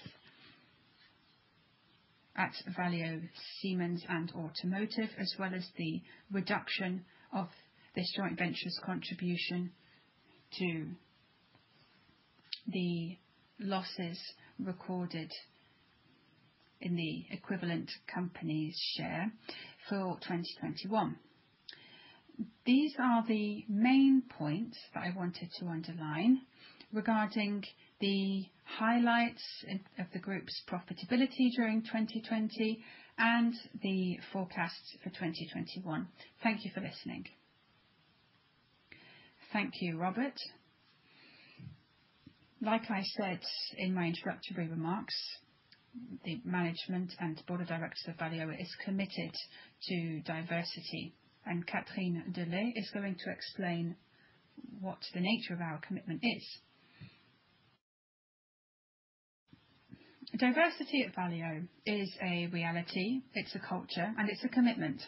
at Valeo Siemens eAutomotive, as well as the reduction of this joint venture's contribution to the losses recorded in the equivalent company share for 2021. These are the main points that I wanted to underline regarding the highlights of the group's profitability during 2020 and the forecast for 2021. Thank you for listening. Thank you, Robert. Like I said in my introductory remarks, the management and board of directors of Valeo is committed to diversity. Catherine Delhaye is going to explain what the nature of our commitment is. Diversity at Valeo is a reality, it's a culture. It's a commitment.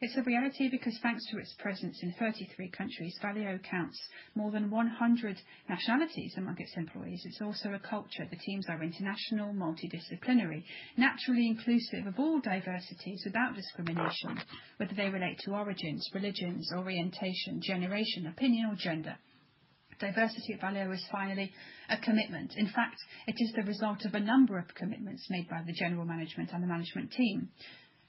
It's a reality because thanks to its presence in 33 countries, Valeo counts more than 100 nationalities amongst its employees. It's also a culture. The teams are international, multidisciplinary, naturally inclusive of all diversities without discrimination, whether they relate to origins, religions, orientation, generation, opinion, or gender. Diversity at Valeo is finally a commitment. In fact, it is the result of a number of commitments made by the general management and management team.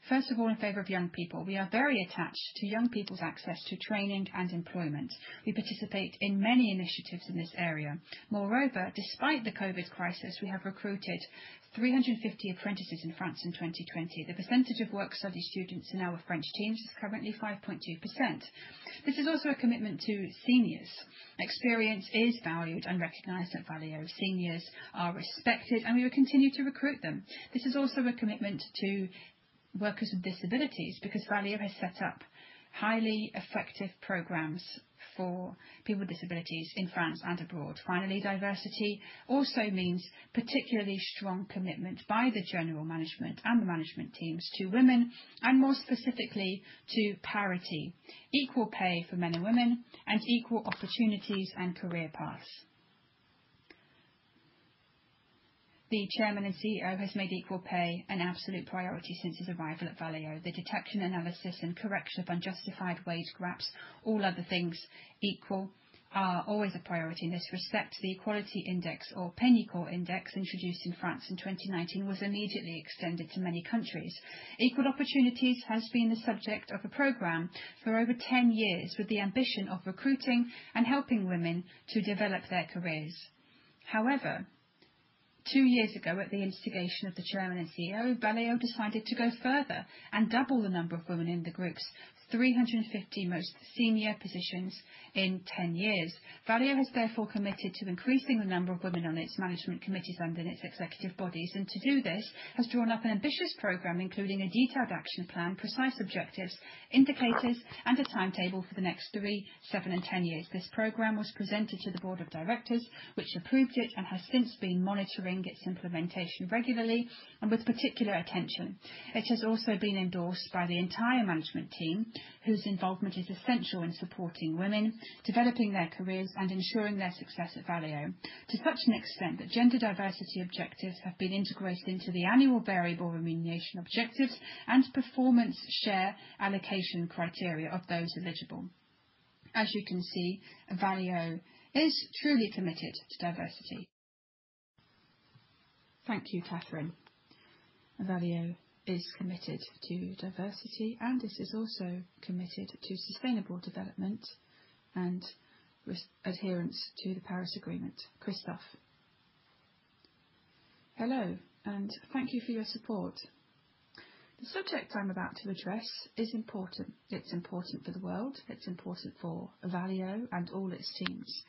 First of all, in favor of young people. We are very attached to young people's access to training and employment. We participate in many initiatives in this area. Moreover, despite the COVID crisis, we have recruited 350 apprentices in France in 2020. The percentage of work-study students in our French teams is currently 5.2%. This is also a commitment to seniors. Experience is valued and recognized at Valeo. Seniors are respected, and we continue to recruit them. This is also a commitment to workers with disabilities because Valeo has set up highly effective programs for people with disabilities in France and abroad. Finally, diversity also means particularly strong commitment by the general management and the management teams to women, and more specifically to parity, Equal pay for men and women, and equal opportunities and career paths. The Chairman and CEO has made equal pay an absolute priority since his arrival at Valeo. The detection, analysis, and correction of unjustified wage gaps, all other things equal, are always a priority. In this respect, the equality index or Pénicaud Index introduced in France in 2019 was immediately extended to many countries. Equal opportunities has been the subject of a program for over 10 years with the ambition of recruiting and helping women to develop their careers. However, two years ago, at the instigation of the Chairman and Chief Executive Officer, Valeo decided to go further and double the number of women in the group's 350 most senior positions in 10 years. Valeo has therefore committed to increasing the number of women on its management committees and in its executive bodies, and to do this, has drawn up an ambitious program, including a detailed action plan, precise objectives, indicators, and a timetable for the next three, seven, and 10 years. This program was presented to the board of directors, which approved it and has since been monitoring its implementation regularly and with particular attention. It has also been endorsed by the entire management team, whose involvement is essential in supporting women, developing their careers, and ensuring their success at Valeo. To such an extent that gender diversity objectives have been integrated into the annual variable remuneration objectives and performance share allocation criteria of those eligible. As you can see, Valeo is truly committed to diversity. Thank you, Catherine. Valeo is committed to diversity, and it is also committed to sustainable development and adherence to the Paris Agreement. Christophe. Hello, thank you for your support. The subject I'm about to address is important. It's important for the world. It's important for Valeo and all its teams,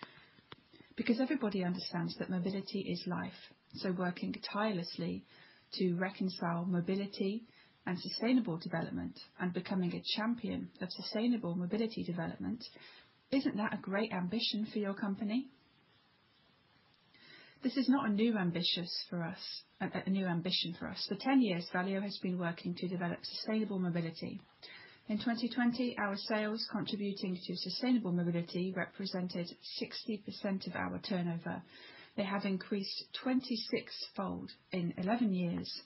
because everybody understands that mobility is life. Working tirelessly to reconcile mobility and sustainable development and becoming a champion of sustainable mobility development, isn't that a great ambition for your company? This is not a new ambition for us. For 10 years, Valeo has been working to develop sustainable mobility. In 2020, our sales contributing to sustainable mobility represented 60% of our turnover. They have increased 26-fold in 11 years.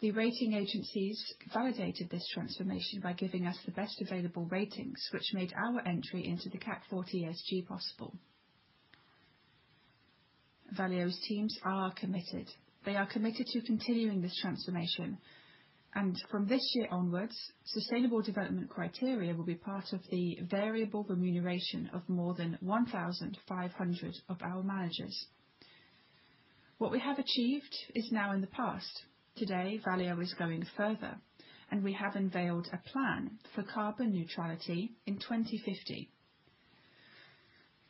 The rating agencies validated this transformation by giving us the best available ratings, which made our entry into the CAC 40 ESG possible. Valeo's teams are committed. They are committed to continuing this transformation. From this year onwards, sustainable development criteria will be part of the variable remuneration of more than 1,500 of our managers. What we have achieved is now in the past. Today, Valeo is going further, and we have unveiled a plan for carbon neutrality in 2050.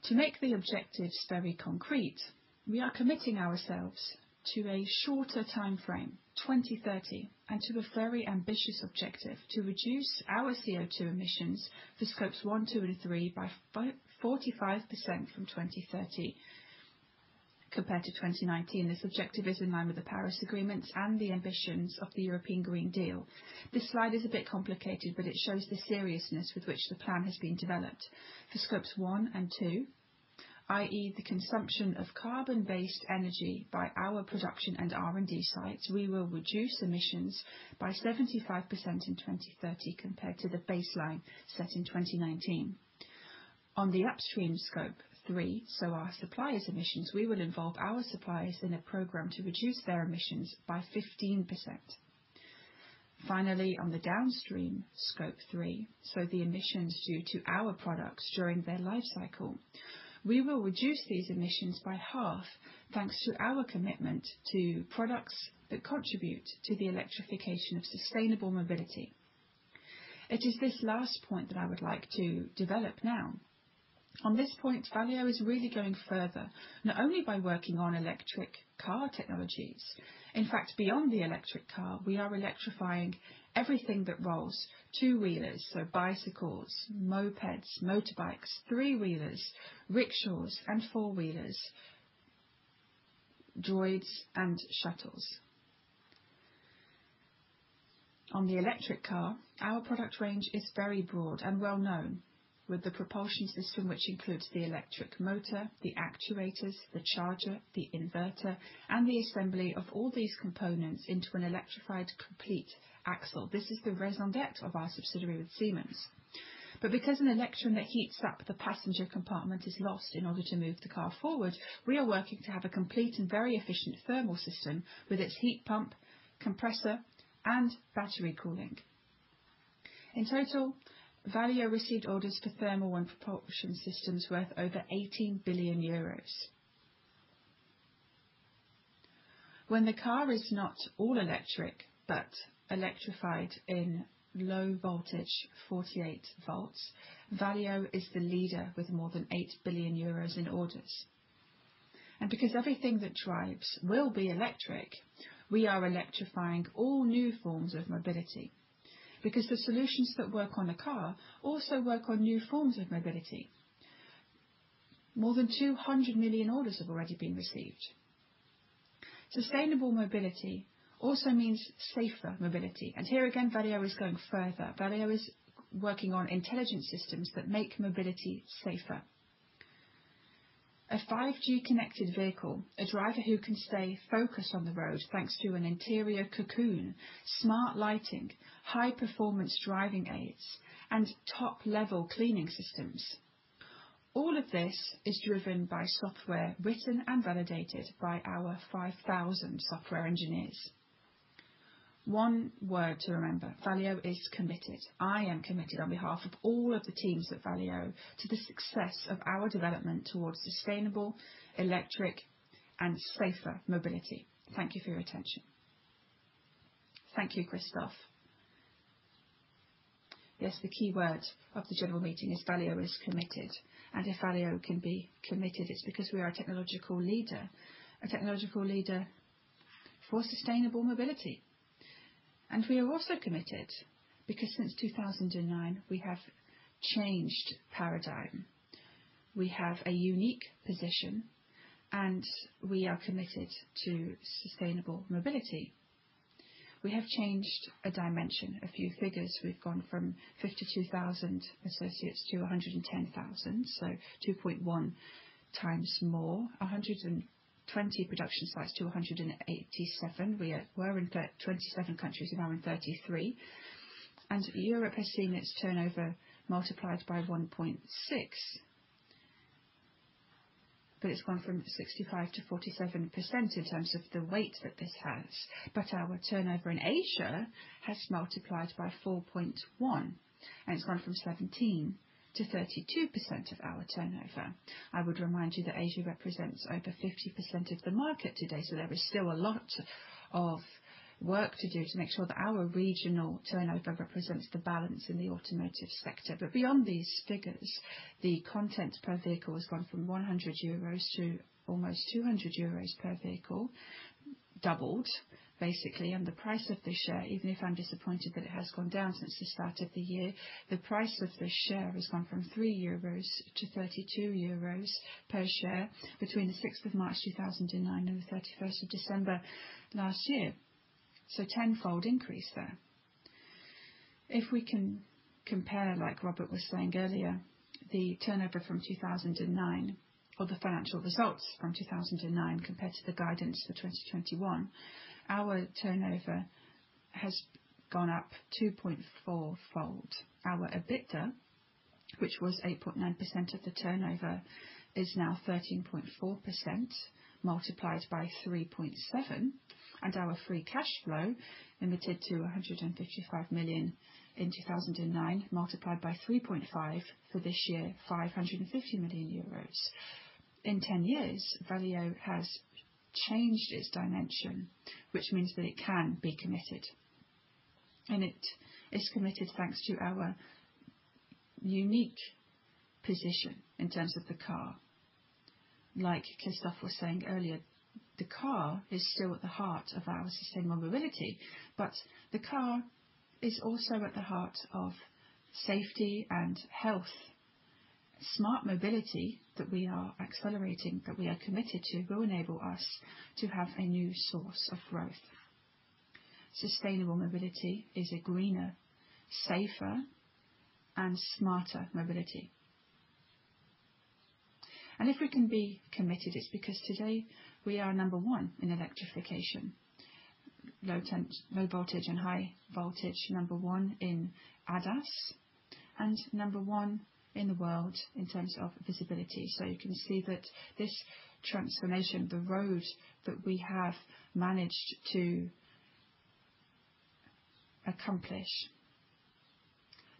To make the objectives very concrete, we are committing ourselves to a shorter timeframe, 2030, and to a very ambitious objective to reduce our CO2 emissions for scopes one, two, and three by 45% from 2030 compared to 2019. This objective is in line with the Paris Agreement and the ambitions of the European Green Deal. This slide is a bit complicated, but it shows the seriousness with which the plan has been developed. For scopes one and two, i.e. the consumption of carbon-based energy by our production and R&D sites, we will reduce emissions by 75% in 2030 compared to the baseline set in 2019. On the upstream scope three, so our suppliers' emissions, we will involve our suppliers in a program to reduce their emissions by 15%. On the downstream scope 3, the emissions due to our products during their lifecycle, we will reduce these emissions by half, thanks to our commitment to products that contribute to the electrification of sustainable mobility. It is this last point that I would like to develop now. On this point, Valeo is really going further, not only by working on electric car technologies. In fact, beyond the electric car, we are electrifying everything that rolls. Two-wheelers, bicycles, mopeds, motorbikes, three-wheelers, rickshaws, and four-wheelers, droids, and shuttles. On the electric car, our product range is very broad and well-known, with the propulsion system, which includes the electric motor, the actuators, the charger, the inverter, and the assembly of all these components into an electrified complete axle. This is the raison d'être of our subsidiary with Siemens. Because an electron that heats up the passenger compartment is lost in order to move the car forward, we are working to have a complete and very efficient thermal system with its heat pump, compressor, and battery cooling. In total, Valeo received orders for thermal and propulsion systems worth over 18 billion euros. When the car is not all electric but electrified in low voltage, 48 V, Valeo is the leader with more than 8 billion euros in orders. Because everything that drives will be electric, we are electrifying all new forms of mobility because the solutions that work on a car also work on new forms of mobility. More than 200 million orders have already been received. Sustainable mobility also means safer mobility. Here again, Valeo is going further. Valeo is working on intelligent systems that make mobility safer. A 5G connected vehicle, a driver who can stay focused on the road thanks to an interior cocoon, smart lighting, high-performance driving aids, and top-level cleaning systems. All of this is driven by software written and validated by our 5,000 software engineers. One word to remember, Valeo is committed. I am committed on behalf of all of the teams at Valeo to the success of our development towards sustainable, electric, and safer mobility. Thank you for your attention. Thank you, Christophe. The key word of the general meeting is Valeo is committed. If Valeo can be committed, it's because we are a technological leader, a technological leader for sustainable mobility. We are also committed because since 2009, we have changed paradigm. We have a unique position, and we are committed to sustainable mobility. We have changed a dimension. A few figures, we've gone from 52,000 associates to 110,000, so 2.1x more. 120 production sites to 187. We were in 27 countries, now we're in 33. Europe has seen its turnover multiplied by 1.6, but it's gone from 65% to 47% in terms of the weight that this has. Our turnover in Asia has multiplied by 4.1, and it's gone from 17%-32% of our turnover. I would remind you that Asia represents over 50% of the market today. There is still a lot of work to do to make sure that our regional turnover represents the balance in the automotive sector. Beyond these figures, the content per vehicle has gone from 100 euros to almost 200 euros per vehicle, doubled, basically. The price of the share, even if I'm disappointed that it has gone down since the start of the year, the price of the share has gone from 3 euros to 32 euros per share between the 6th of March 2009 and the 31st of December last year. Tenfold increase there. If we can compare, like Robert was saying earlier, the turnover from 2009 or the financial results from 2009 compared to the guidance for 2021, Our turnover has gone up 2.4 fold. Our EBITDA, which was 8.9% of the turnover, is now 13.4% multiplied by 3.7, and our free cash flow limited to 155 million in 2009, multiplied by 3.5 for this year, 550 million euros. In 10 years, Valeo has changed its dimension, which means that it can be committed. It is committed thanks to our unique position in terms of the car. Christophe was saying earlier, the car is still at the heart of our sustainable mobility, but the car is also at the heart of safety and health. Smart mobility that we are accelerating, that we are committed to, will enable us to have a new source of growth. Sustainable mobility is a greener, safer, and smarter mobility. If we can be committed, it's because today we are number 1 in electrification. Low voltage and high voltage. Number one in ADAS, and number 1 in the world in terms of visibility. You can see that this transformation, the road that we have managed to accomplish.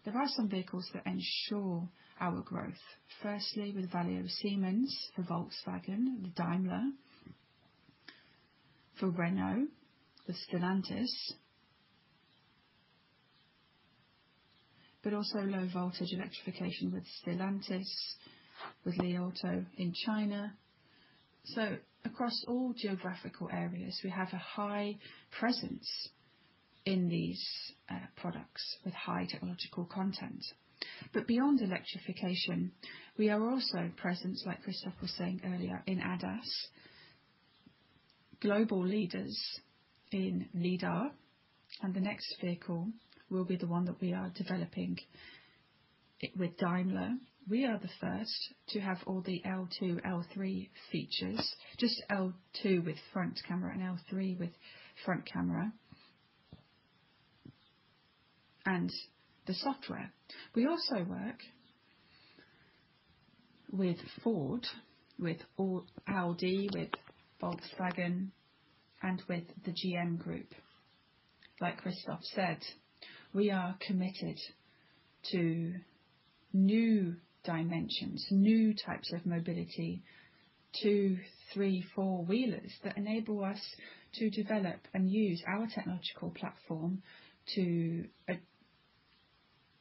There are some vehicles that ensure our growth. With Valeo Siemens, for Volkswagen, for Daimler, for Renault, for Stellantis, but also low-voltage electrification with Stellantis, with Li Auto in China. Across all geographical areas, we have a high presence in these products with high technological content. Beyond electrification, we are also present, like Christophe was saying earlier, in ADAS. Global leaders in lidar, the next vehicle will be the one that we are developing it with Daimler. We are the first to have all the L2, L3 features. Just L2 with front camera and L3 with front camera and the software. We also work with Ford, with Audi, with Volkswagen, and with the GM group. Like Christophe said, we are committed to new dimensions, new types of mobility, two, three, four-wheelers that enable us to develop and use our technological platform to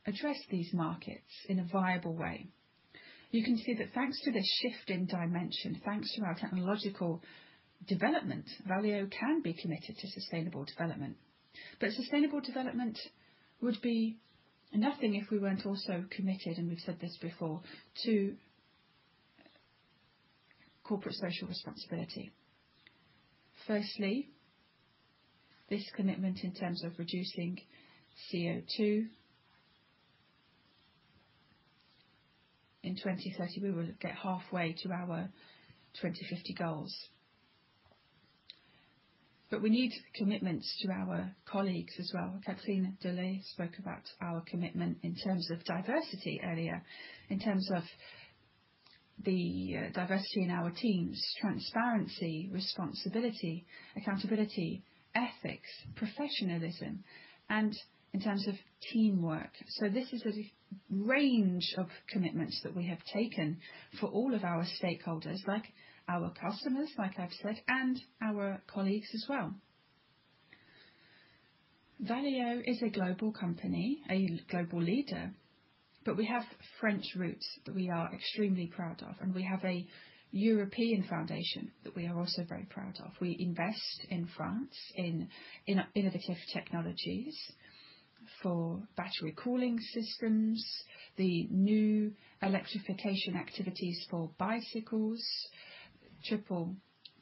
address these markets in a viable way. You can see that thanks to this shift in dimension, thanks to our technological development, Valeo can be committed to sustainable development. Sustainable development would be nothing if we weren't also committed, and we've said this before, to corporate social responsibility. Firstly, this commitment in terms of reducing CO2. In 2030, we will get halfway to our 2050 goals. We need commitments to our colleagues as well. Catherine Delhaye spoke about our commitment in terms of diversity earlier, In terms of the diversity in our teams, transparency, responsibility, accountability, ethics, professionalism, and in terms of teamwork. This is the range of commitments that we have taken for all of our stakeholders, like our customers, like I've said, and our colleagues as well. Valeo is a global company, a global leader, but we have French roots that we are extremely proud of, and we have a European foundation that we are also very proud of. We invest in France in innovative technologies for battery cooling systems, the new electrification activities for bicycles, Triple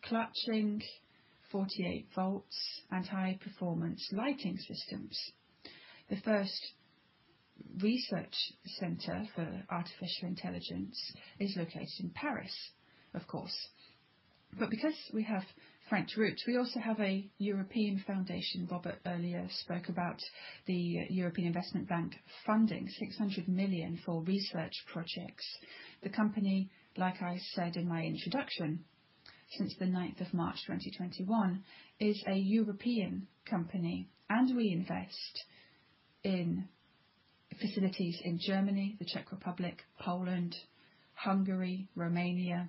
clutching, 48 V, and high-performance lighting systems. The first research center for artificial intelligence is located in Paris, of course. Because we have French roots, we also have a European foundation. Robert earlier spoke about the European Investment Bank funding 600 million for research projects. The company, like I said in my introduction, since the 9th of March 2021, is a European company, and we invest in facilities in Germany, the Czech Republic, Poland, Hungary, Romania,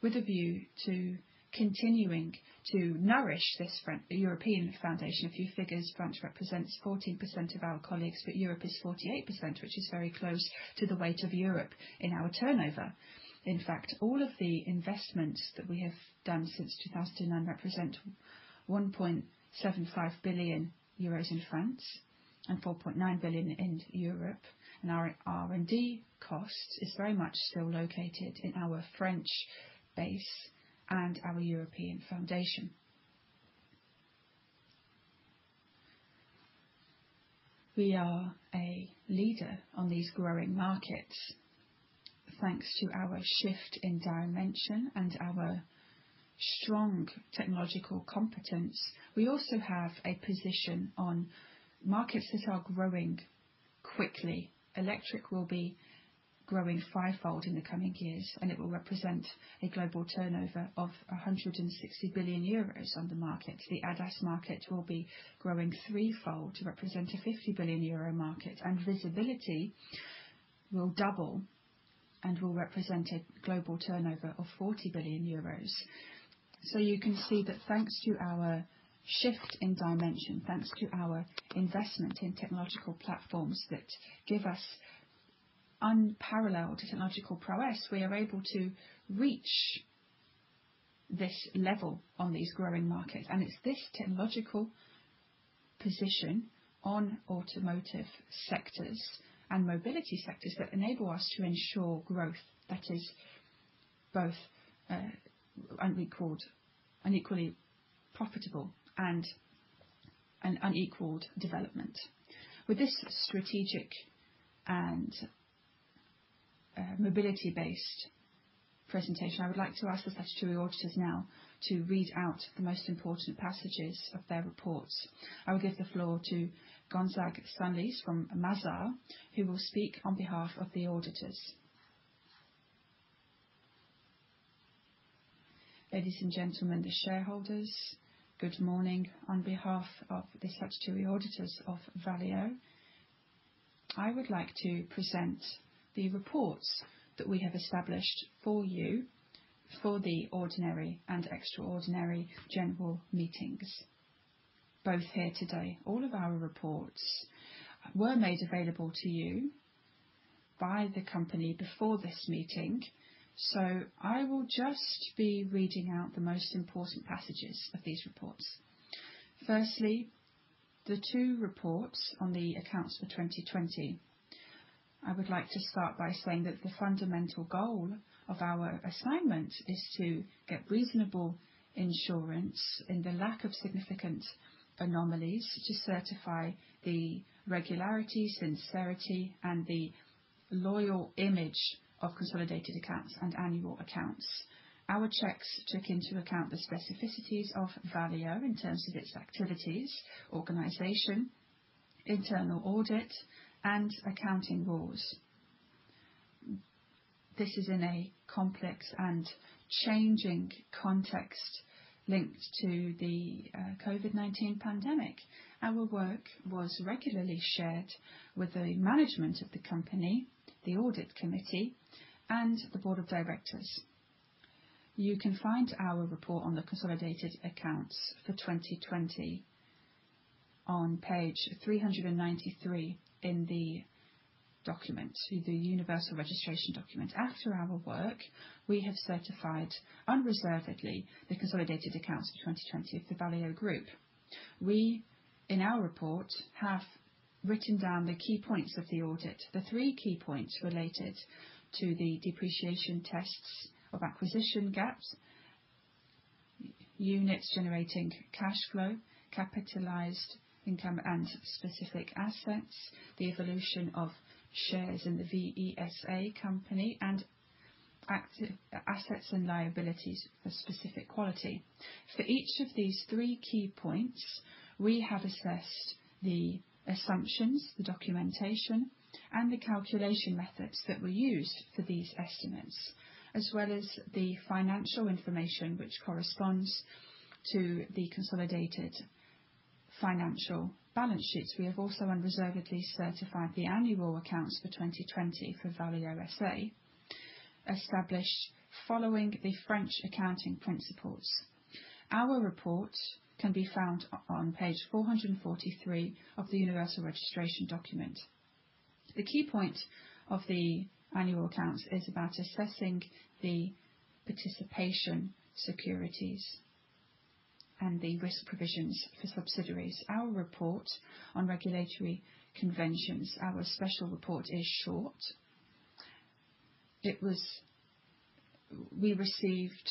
with a view to continuing to nourish this European foundation. A few figures, France represents 14% of our colleagues, but Europe is 48%, which is very close to the weight of Europe in our turnover. In fact, all of the investments that we have done since 2009 represent 1.75 billion euros in France and 4.9 billion in Europe. Our R&D cost is very much still located in our French base and our European foundation. We are a leader on these growing markets. Thanks to our shift in dimension and our strong technological competence, we also have a position on markets that are growing quickly. Electric will be growing fivefold in the coming years, and it will represent a global turnover of 160 billion euros on the market. The ADAS market will be growing threefold to represent a 50 billion euro market, and visibility will double and will represent a global turnover of 40 billion euros. You can see that thanks to our shift in dimension, thanks to our investment in technological platforms that give us unparalleled technological prowess, we are able to reach this level on these growing markets. It's this technological position on automotive sectors and mobility sectors that enable us to ensure growth that is both uniquely profitable and an unequaled development. With this strategic and mobility-based presentation, I would like to ask the statutory auditors now to read out the most important passages of their reports. I will give the floor to Gaël Lamant from Mazars, who will speak on behalf of the auditors. Ladies and gentlemen, shareholders, good morning. On behalf of the statutory auditors of Valeo, I would like to present the reports that we have established for you for the ordinary and extraordinary general meetings, both here today. All of our reports were made available to you by the company before this meeting. I will just be reading out the most important passages of these reports. Firstly, the two reports on the accounts for 2020. I would like to start by saying that the fundamental goal of our assignment is to get reasonable assurance in the lack of significant anomalies to certify the regularity, sincerity, and the loyal image of consolidated accounts and annual accounts. Our checks took into account the specificities of Valeo in terms of its activities, organization, internal audit, and accounting rules. This is in a complex and changing context linked to the COVID-19 pandemic. Our work was regularly shared with the management of the company, the audit committee, and the board of directors. You can find our report on the consolidated accounts for 2020 on page 393 in the universal registration document. After our work, we have certified unreservedly the consolidated accounts for 2020 of the Valeo Group. We, in our report, have written down the key points of the audit. The three key points related to the depreciation tests of acquisition gaps, units generating cash flow, capitalized income and specific assets, the evolution of shares in the VESA company, and assets and liabilities of specific quality. For each of these three key points, we have assessed the assumptions, the documentation, and the calculation methods that were used for these estimates, as well as the financial information which corresponds to the consolidated financial balance sheets. We have also unreservedly certified the annual accounts for 2020 for Valeo SA, established following the French accounting principles. Our report can be found on page 443 of the universal registration document. The key point of the annual accounts is about assessing the participation securities and the risk provisions for subsidiaries. Our report on regulatory conventions, our special report is short. We received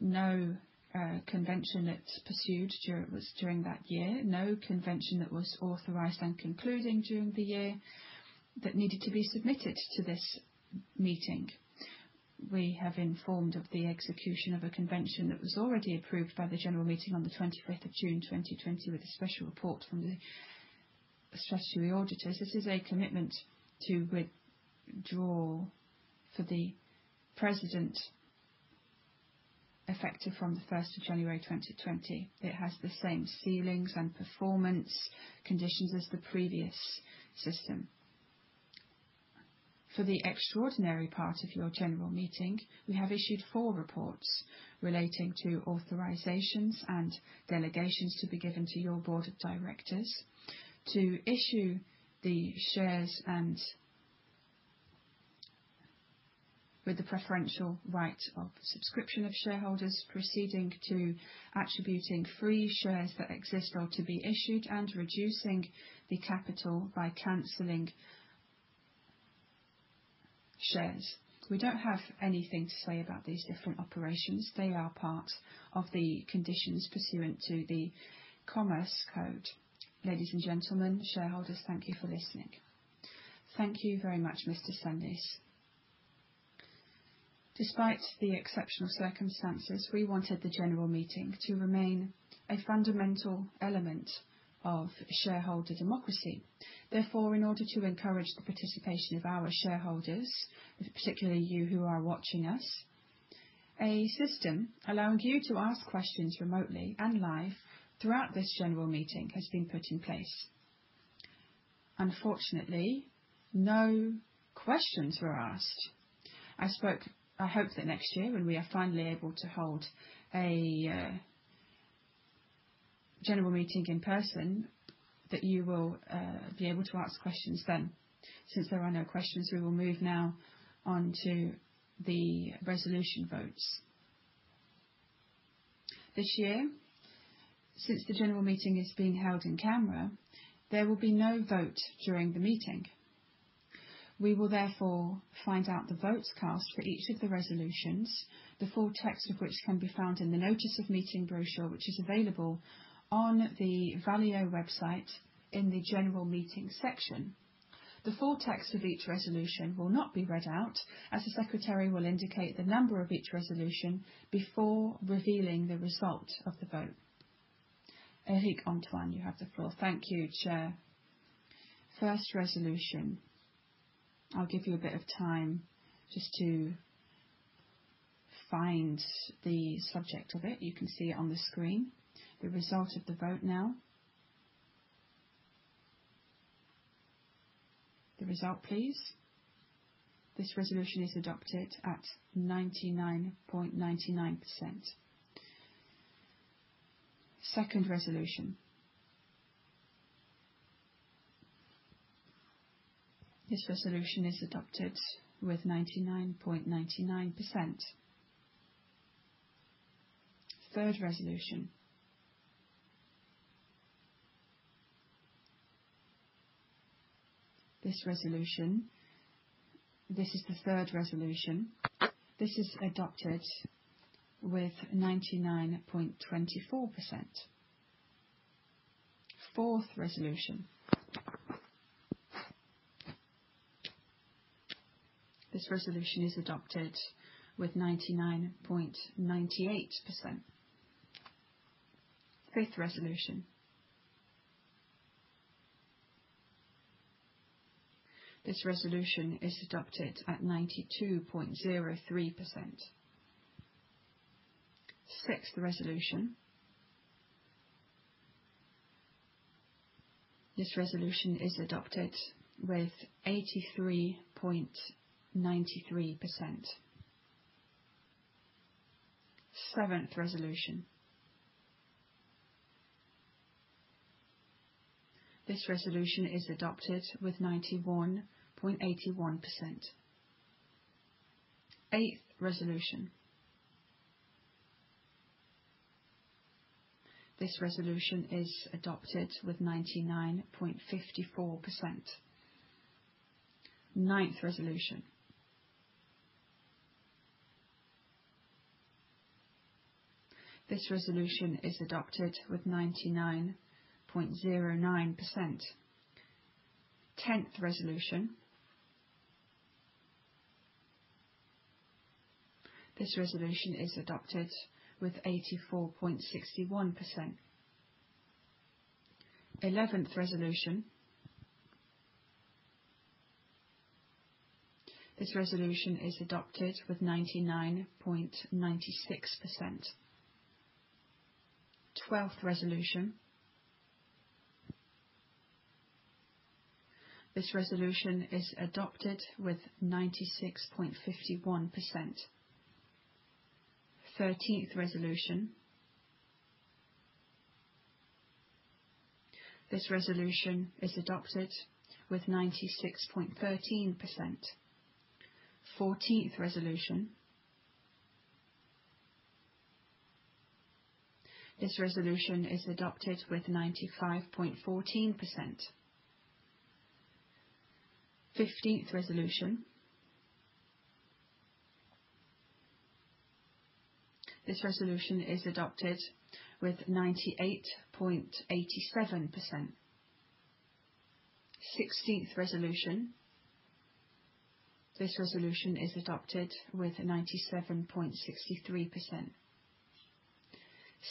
no convention that's pursued during that year, no convention that was authorized and concluded during the year that needed to be submitted to this meeting. We have informed of the execution of a convention that was already approved by the general meeting on the 25th of June 2020 with a special report from the statutory auditors. This is a commitment to withdraw for the president effective from the 1st of January 2020. It has the same ceilings and performance conditions as the previous system. For the extraordinary part of your general meeting, we have issued four reports relating to authorizations and delegations to be given to your board of directors to issue the shares and with the preferential right of subscription of shareholders, proceeding to attributing free shares that exist or to be issued, and reducing the capital by canceling shares. We don't have anything to say about these different operations. They are part of the conditions pursuant to the Code de commerce. Ladies and gentlemen, shareholders, thank you for listening. Thank you very much, Mr. Lamant. Despite the exceptional circumstances, we wanted the general meeting to remain a fundamental element of shareholder democracy. Therefore, in order to encourage the participation of our shareholders, particularly you who are watching us, a system allowing you to ask questions remotely and live throughout this general meeting has been put in place. Unfortunately, no questions were asked. I hope that next year, when we are finally able to hold a general meeting in person, that you will be able to ask questions then. Since there are no questions, we will move now on to the resolution votes. This year, since the general meeting is being held in camera, there will be no vote during the meeting. We will therefore find out the votes cast for each of the resolutions, the full text of which can be found in the notice of meeting brochure, which is available on the Valeo website in the General Meetings section. The full text of each resolution will not be read out, as the secretary will indicate the number of each resolution before revealing the result of the vote. Eric Antoine, you have the floor. Thank you, Chair. First resolution. I'll give you a bit of time just to find the subject of it. You can see it on the screen. The result of the vote now. The result, please. This resolution is adopted at 99.99%. Second resolution. This resolution is adopted with 99.99%. Third resolution. This is the third resolution. This is adopted with 99.24%. Fourth resolution. This resolution is adopted with 99.98%. Fifth resolution. This resolution is adopted at 92.03%. Sixth resolution. This resolution is adopted with 83.93%. Seventh resolution. This resolution is adopted with 91.81%. Eighth resolution. This resolution is adopted with 99.54%. Ninth resolution. This resolution is adopted with 99.09%. Tenth resolution. This resolution is adopted with 84.61%. Eleventh resolution. This resolution is adopted with 99.96%. Twelfth resolution. This resolution is adopted with 96.51%. Thirteenth resolution. This resolution is adopted with 96.13%. Fourteenth resolution. This resolution is adopted with 95.14%. Fifteenth resolution. This resolution is adopted with 98.87%. 16th resolution. This resolution is adopted with 97.63%.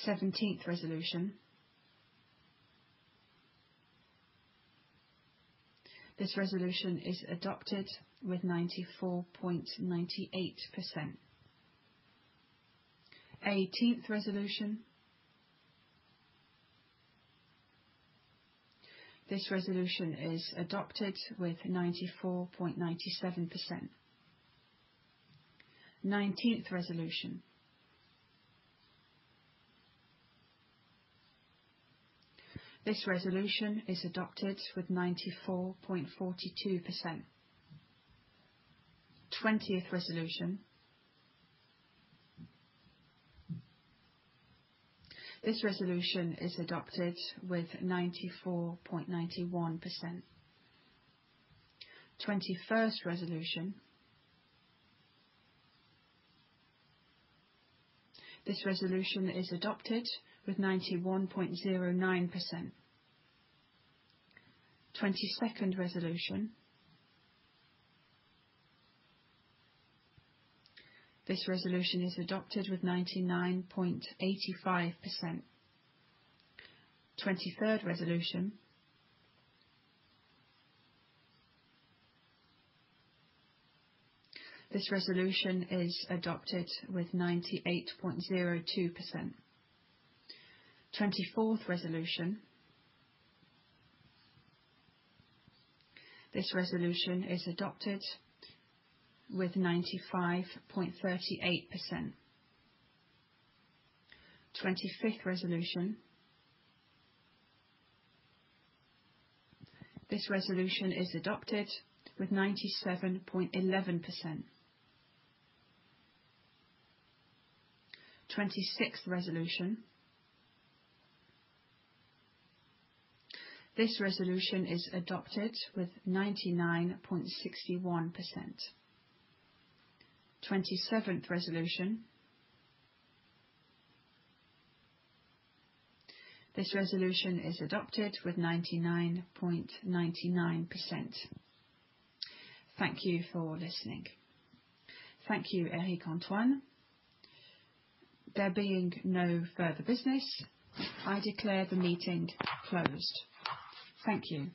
17th resolution. This resolution is adopted with 94.98%. 18th resolution. This resolution is adopted with 94.97%. 19th resolution. This resolution is adopted with 94.42%. 20th resolution. This resolution is adopted with 94.91%. 21st resolution. This resolution is adopted with 91.09%. 22nd resolution. This resolution is adopted with 99.85%. 23rd resolution. This resolution is adopted with 98.02%. 24th resolution. This resolution is adopted with 95.38%. 25th resolution. This resolution is adopted with 97.11%. 26th resolution. This resolution is adopted with 99.61%. 27th resolution. This resolution is adopted with 99.99%. Thank you for listening. Thank you, Eric-Antoine Fredette. There being no further business, I declare the meeting closed. Thank you